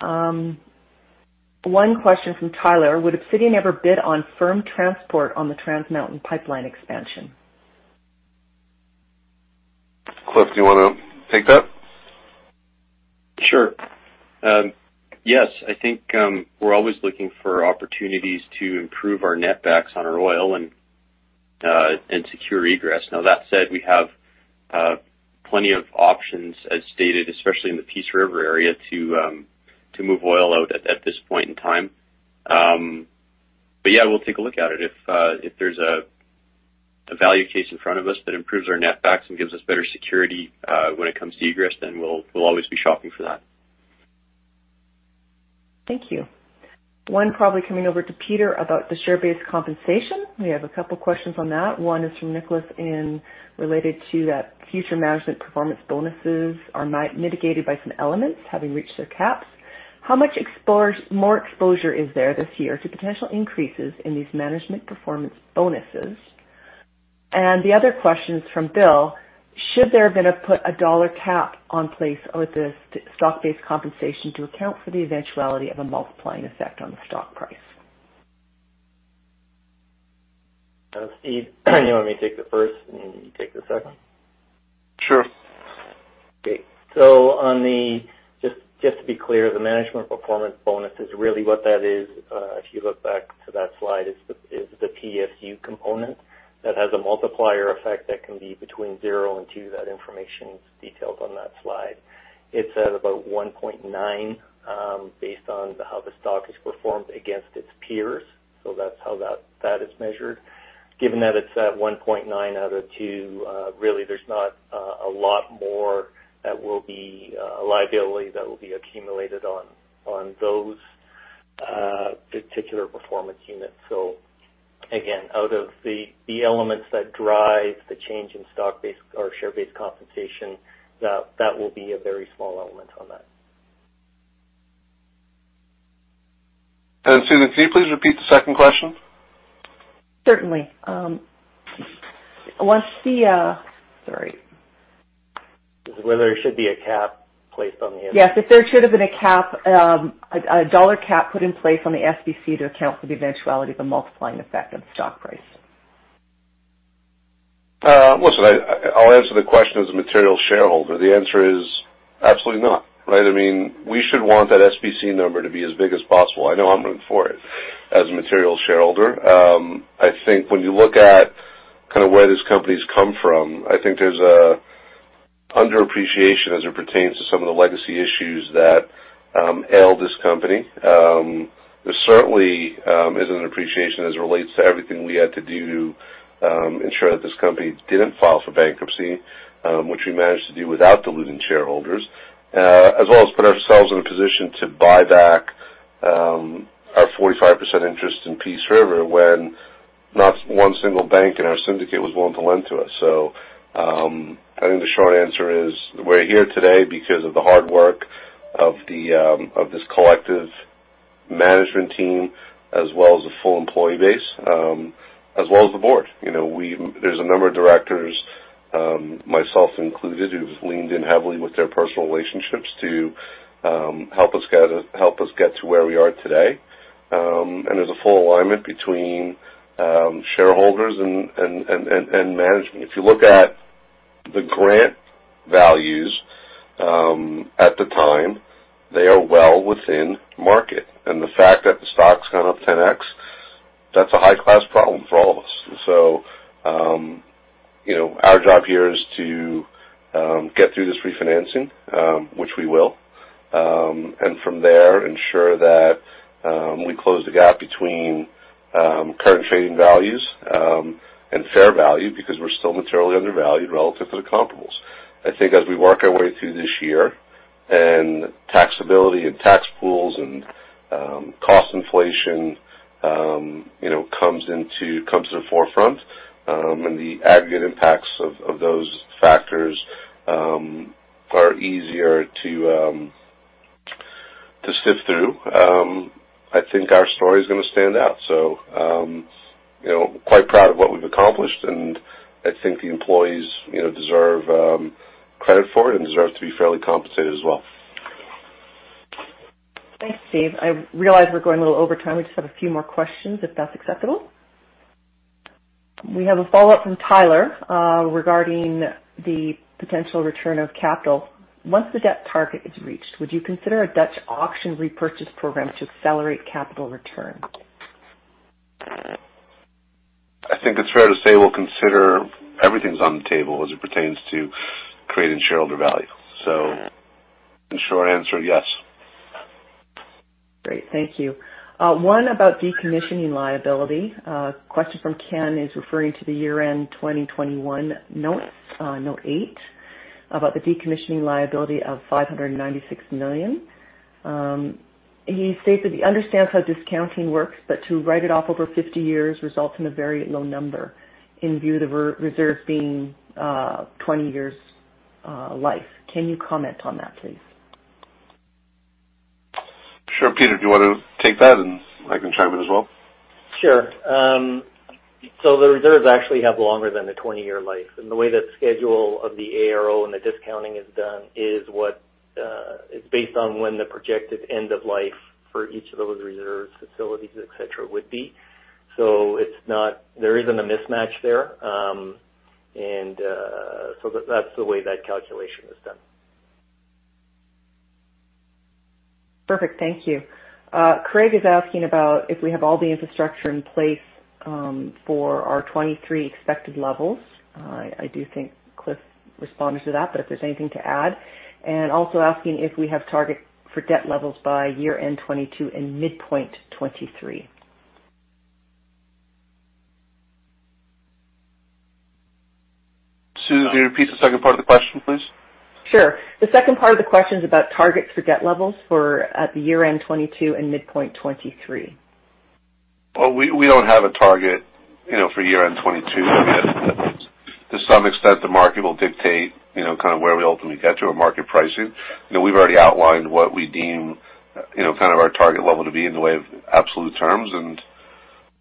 One question from Tyler: Would Obsidian ever bid on firm transport on the Trans Mountain Pipeline expansion? Cliff, do you wanna take that? Sure. Yes, I think we're always looking for opportunities to improve our netbacks on our oil and secure egress. Now, that said, we have plenty of options, as stated, especially in the Peace River area, to move oil out at this point in time. Yeah, we'll take a look at it. If there's a value case in front of us that improves our netbacks and gives us better security when it comes to egress, then we'll always be shopping for that. Thank you. One probably coming over to Peter about the share-based compensation. We have a couple questions on that. One is from Nicholas related to that future management performance bonuses are mitigated by some elements having reached their caps. How much more exposure is there this year to potential increases in these management performance bonuses? The other question is from Bill: Should there have been put a dollar cap in place with this stock-based compensation to account for the eventuality of a multiplying effect on the stock price? Steve, you want me to take the first, and you take the second? Sure. Just to be clear, the management performance bonus is really what that is, if you look back to that slide, the PSU component that has a multiplier effect that can be between zero and two. That information is detailed on that slide. It's at about 1.9, based on how the stock has performed against its peers. That's how that is measured. Given that it's at 1.9 out of two, really there's not a lot more that will be liability that will be accumulated on those particular performance units. Again, out of the elements that drive the change in stock-based or share-based compensation, that will be a very small element on that. Susan, can you please repeat the second question? Certainly. Sorry. Whether there should be a cap placed on the SBC? Yes. If there should have been a cap, a dollar cap put in place on the SBC to account for the eventuality of a multiplying effect on stock price. Listen, I'll answer the question as a material shareholder. The answer is absolutely not, right? I mean, we should want that SBC number to be as big as possible. I know I'm rooting for it as a material shareholder. I think when you look at kind of where this company's come from, I think there's an underappreciation as it pertains to some of the legacy issues that ailed this company. There certainly isn't an appreciation as it relates to everything we had to do to ensure that this company didn't file for bankruptcy, which we managed to do without diluting shareholders, as well as put ourselves in a position to buy back our 45% interest in Peace River when not one single bank in our syndicate was willing to lend to us. I think the short answer is we're here today because of the hard work of this collective management team as well as the full employee base, as well as the board. You know, there's a number of directors, myself included, who've leaned in heavily with their personal relationships to help us get to where we are today. There's a full alignment between shareholders and management. If you look at the grant values at the time, they are well within market. The fact that the stock's gone up 10x, that's a high-class problem for all of us. You know, our job here is to get through this refinancing, which we will. From there, ensure that we close the gap between current trading values and fair value because we're still materially undervalued relative to the comparables. I think as we work our way through this year and taxability and tax pools and cost inflation, you know, comes to the forefront, and the aggregate impacts of those factors are easier to sift through. I think our story is gonna stand out. You know, quite proud of what we've accomplished, and I think the employees, you know, deserve credit for it and deserve to be fairly compensated as well. Thanks, Steve. I realize we're going a little over time. We just have a few more questions if that's acceptable. We have a follow-up from Tyler regarding the potential return of capital. Once the debt target is reached, would you consider a Dutch auction repurchase program to accelerate capital return? I think it's fair to say we'll consider everything's on the table as it pertains to creating shareholder value. In short answer, yes. Great. Thank you. One about decommissioning liability. A question from Ken is referring to the year-end 2021 note eight, about the decommissioning liability of 596 million. He stated he understands how discounting works, but to write it off over 50 years results in a very low number in view of the reserve being 20 years life. Can you comment on that, please? Sure. Peter, do you wanna take that? I can chime in as well. Sure. The reserves actually have longer than the 20-year life. The way that schedule of the ARO and the discounting is done is what is based on when the projected end of life for each of those reserves, facilities, etcetera, would be. It's not. There isn't a mismatch there. That's the way that calculation is done. Perfect. Thank you. Craig is asking about if we have all the infrastructure in place for our 23 expected levels. I do think Cliff responded to that, but if there's anything to add. Also asking if we have targets for debt levels by year end 2022 and midpoint 2023. Sue, can you repeat the second part of the question, please? Sure. The second part of the question is about targets for debt levels as at year end 2022 and midpoint 2023. Well, we don't have a target, you know, for year-end 2022. To some extent, the market will dictate, you know, kind of where we ultimately get to a market pricing. You know, we've already outlined what we deem, you know, kind of our target level to be in the way of absolute terms.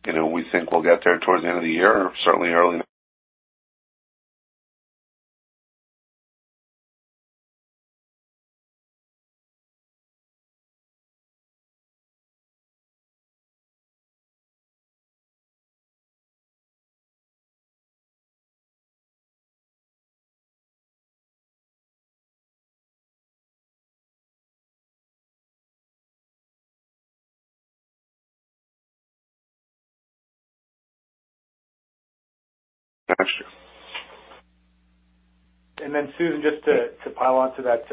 You know, we think we'll get there towards the end of the year, certainly early next year. Susan, just to pile on to that.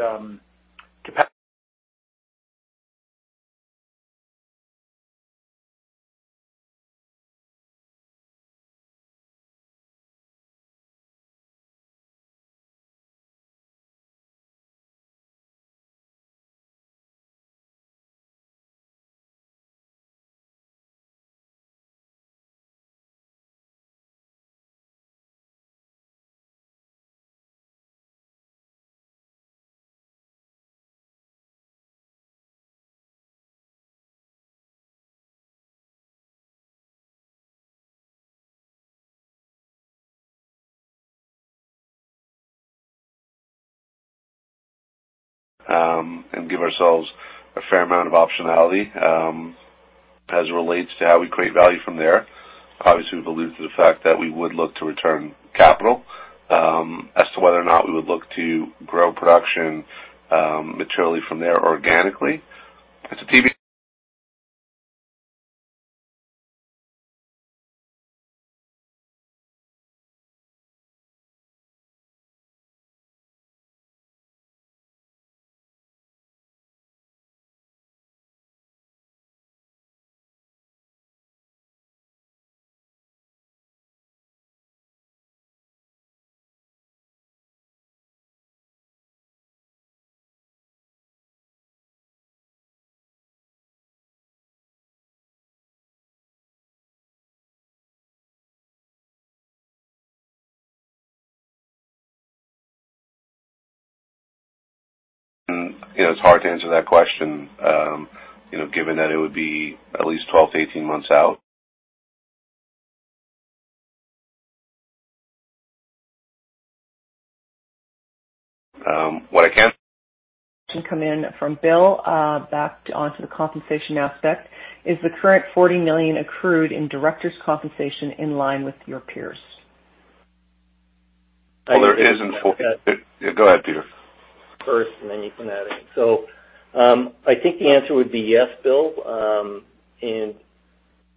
Give ourselves a fair amount of optionality, as it relates to how we create value from there. Obviously, we've alluded to the fact that we would look to return capital, as to whether or not we would look to grow production, materially from there organically. You know, it's hard to answer that question, you know, given that it would be at least 12-18 months out. What I can- Comment from Bill, back onto the compensation aspect. Is the current 40 million accrued in directors compensation in line with your peers? Yeah, go ahead, Peter. First, you can add in. I think the answer would be yes, Bill.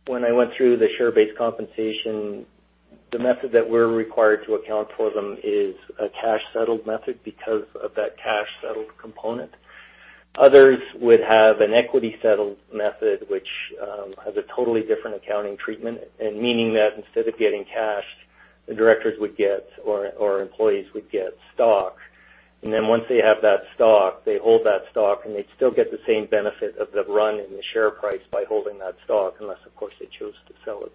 When I went through the share-based compensation, the method that we're required to account for them is a cash-settled method because of that cash-settled component. Others would have an equity-settled method, which has a totally different accounting treatment. Meaning that instead of getting cash, the directors would get, or employees would get, stock. Once they have that stock, they hold that stock, and they still get the same benefit of the run-up in the share price by holding that stock, unless, of course, they choose to sell it.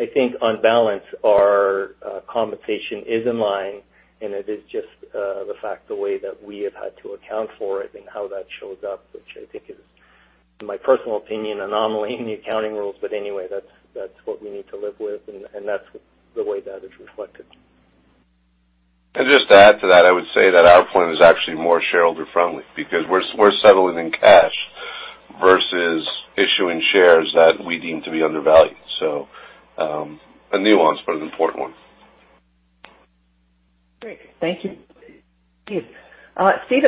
I think on balance, our compensation is in line, and it is just the fact, the way that we have had to account for it and how that shows up, which I think is, in my personal opinion, an anomaly in the accounting rules. Anyway, that's what we need to live with, and that's the way that is reflected. Just to add to that, I would say that our plan is actually more shareholder friendly because we're settling in cash versus issuing shares that we deem to be undervalued. A nuance, but an important one. Great. Thank you. Stephen,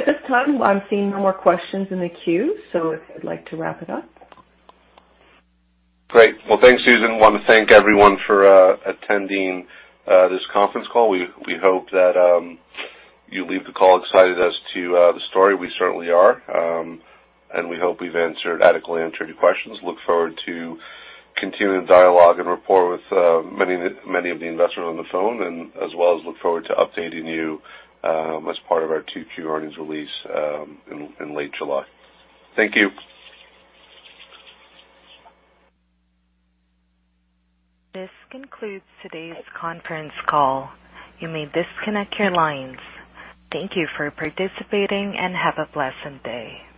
at this time I'm seeing no more questions in the queue, so if you'd like to wrap it up. Great. Well, thanks, Susan. Want to thank everyone for attending this conference call. We hope that you leave the call excited as to the story. We certainly are, and we hope we've adequately answered your questions. Look forward to continuing the dialogue and rapport with many of the investors on the phone. As well as look forward to updating you as part of our 2Q earnings release in late July. Thank you. This concludes today's conference call. You may disconnect your lines. Thank you for participating, and have a pleasant day.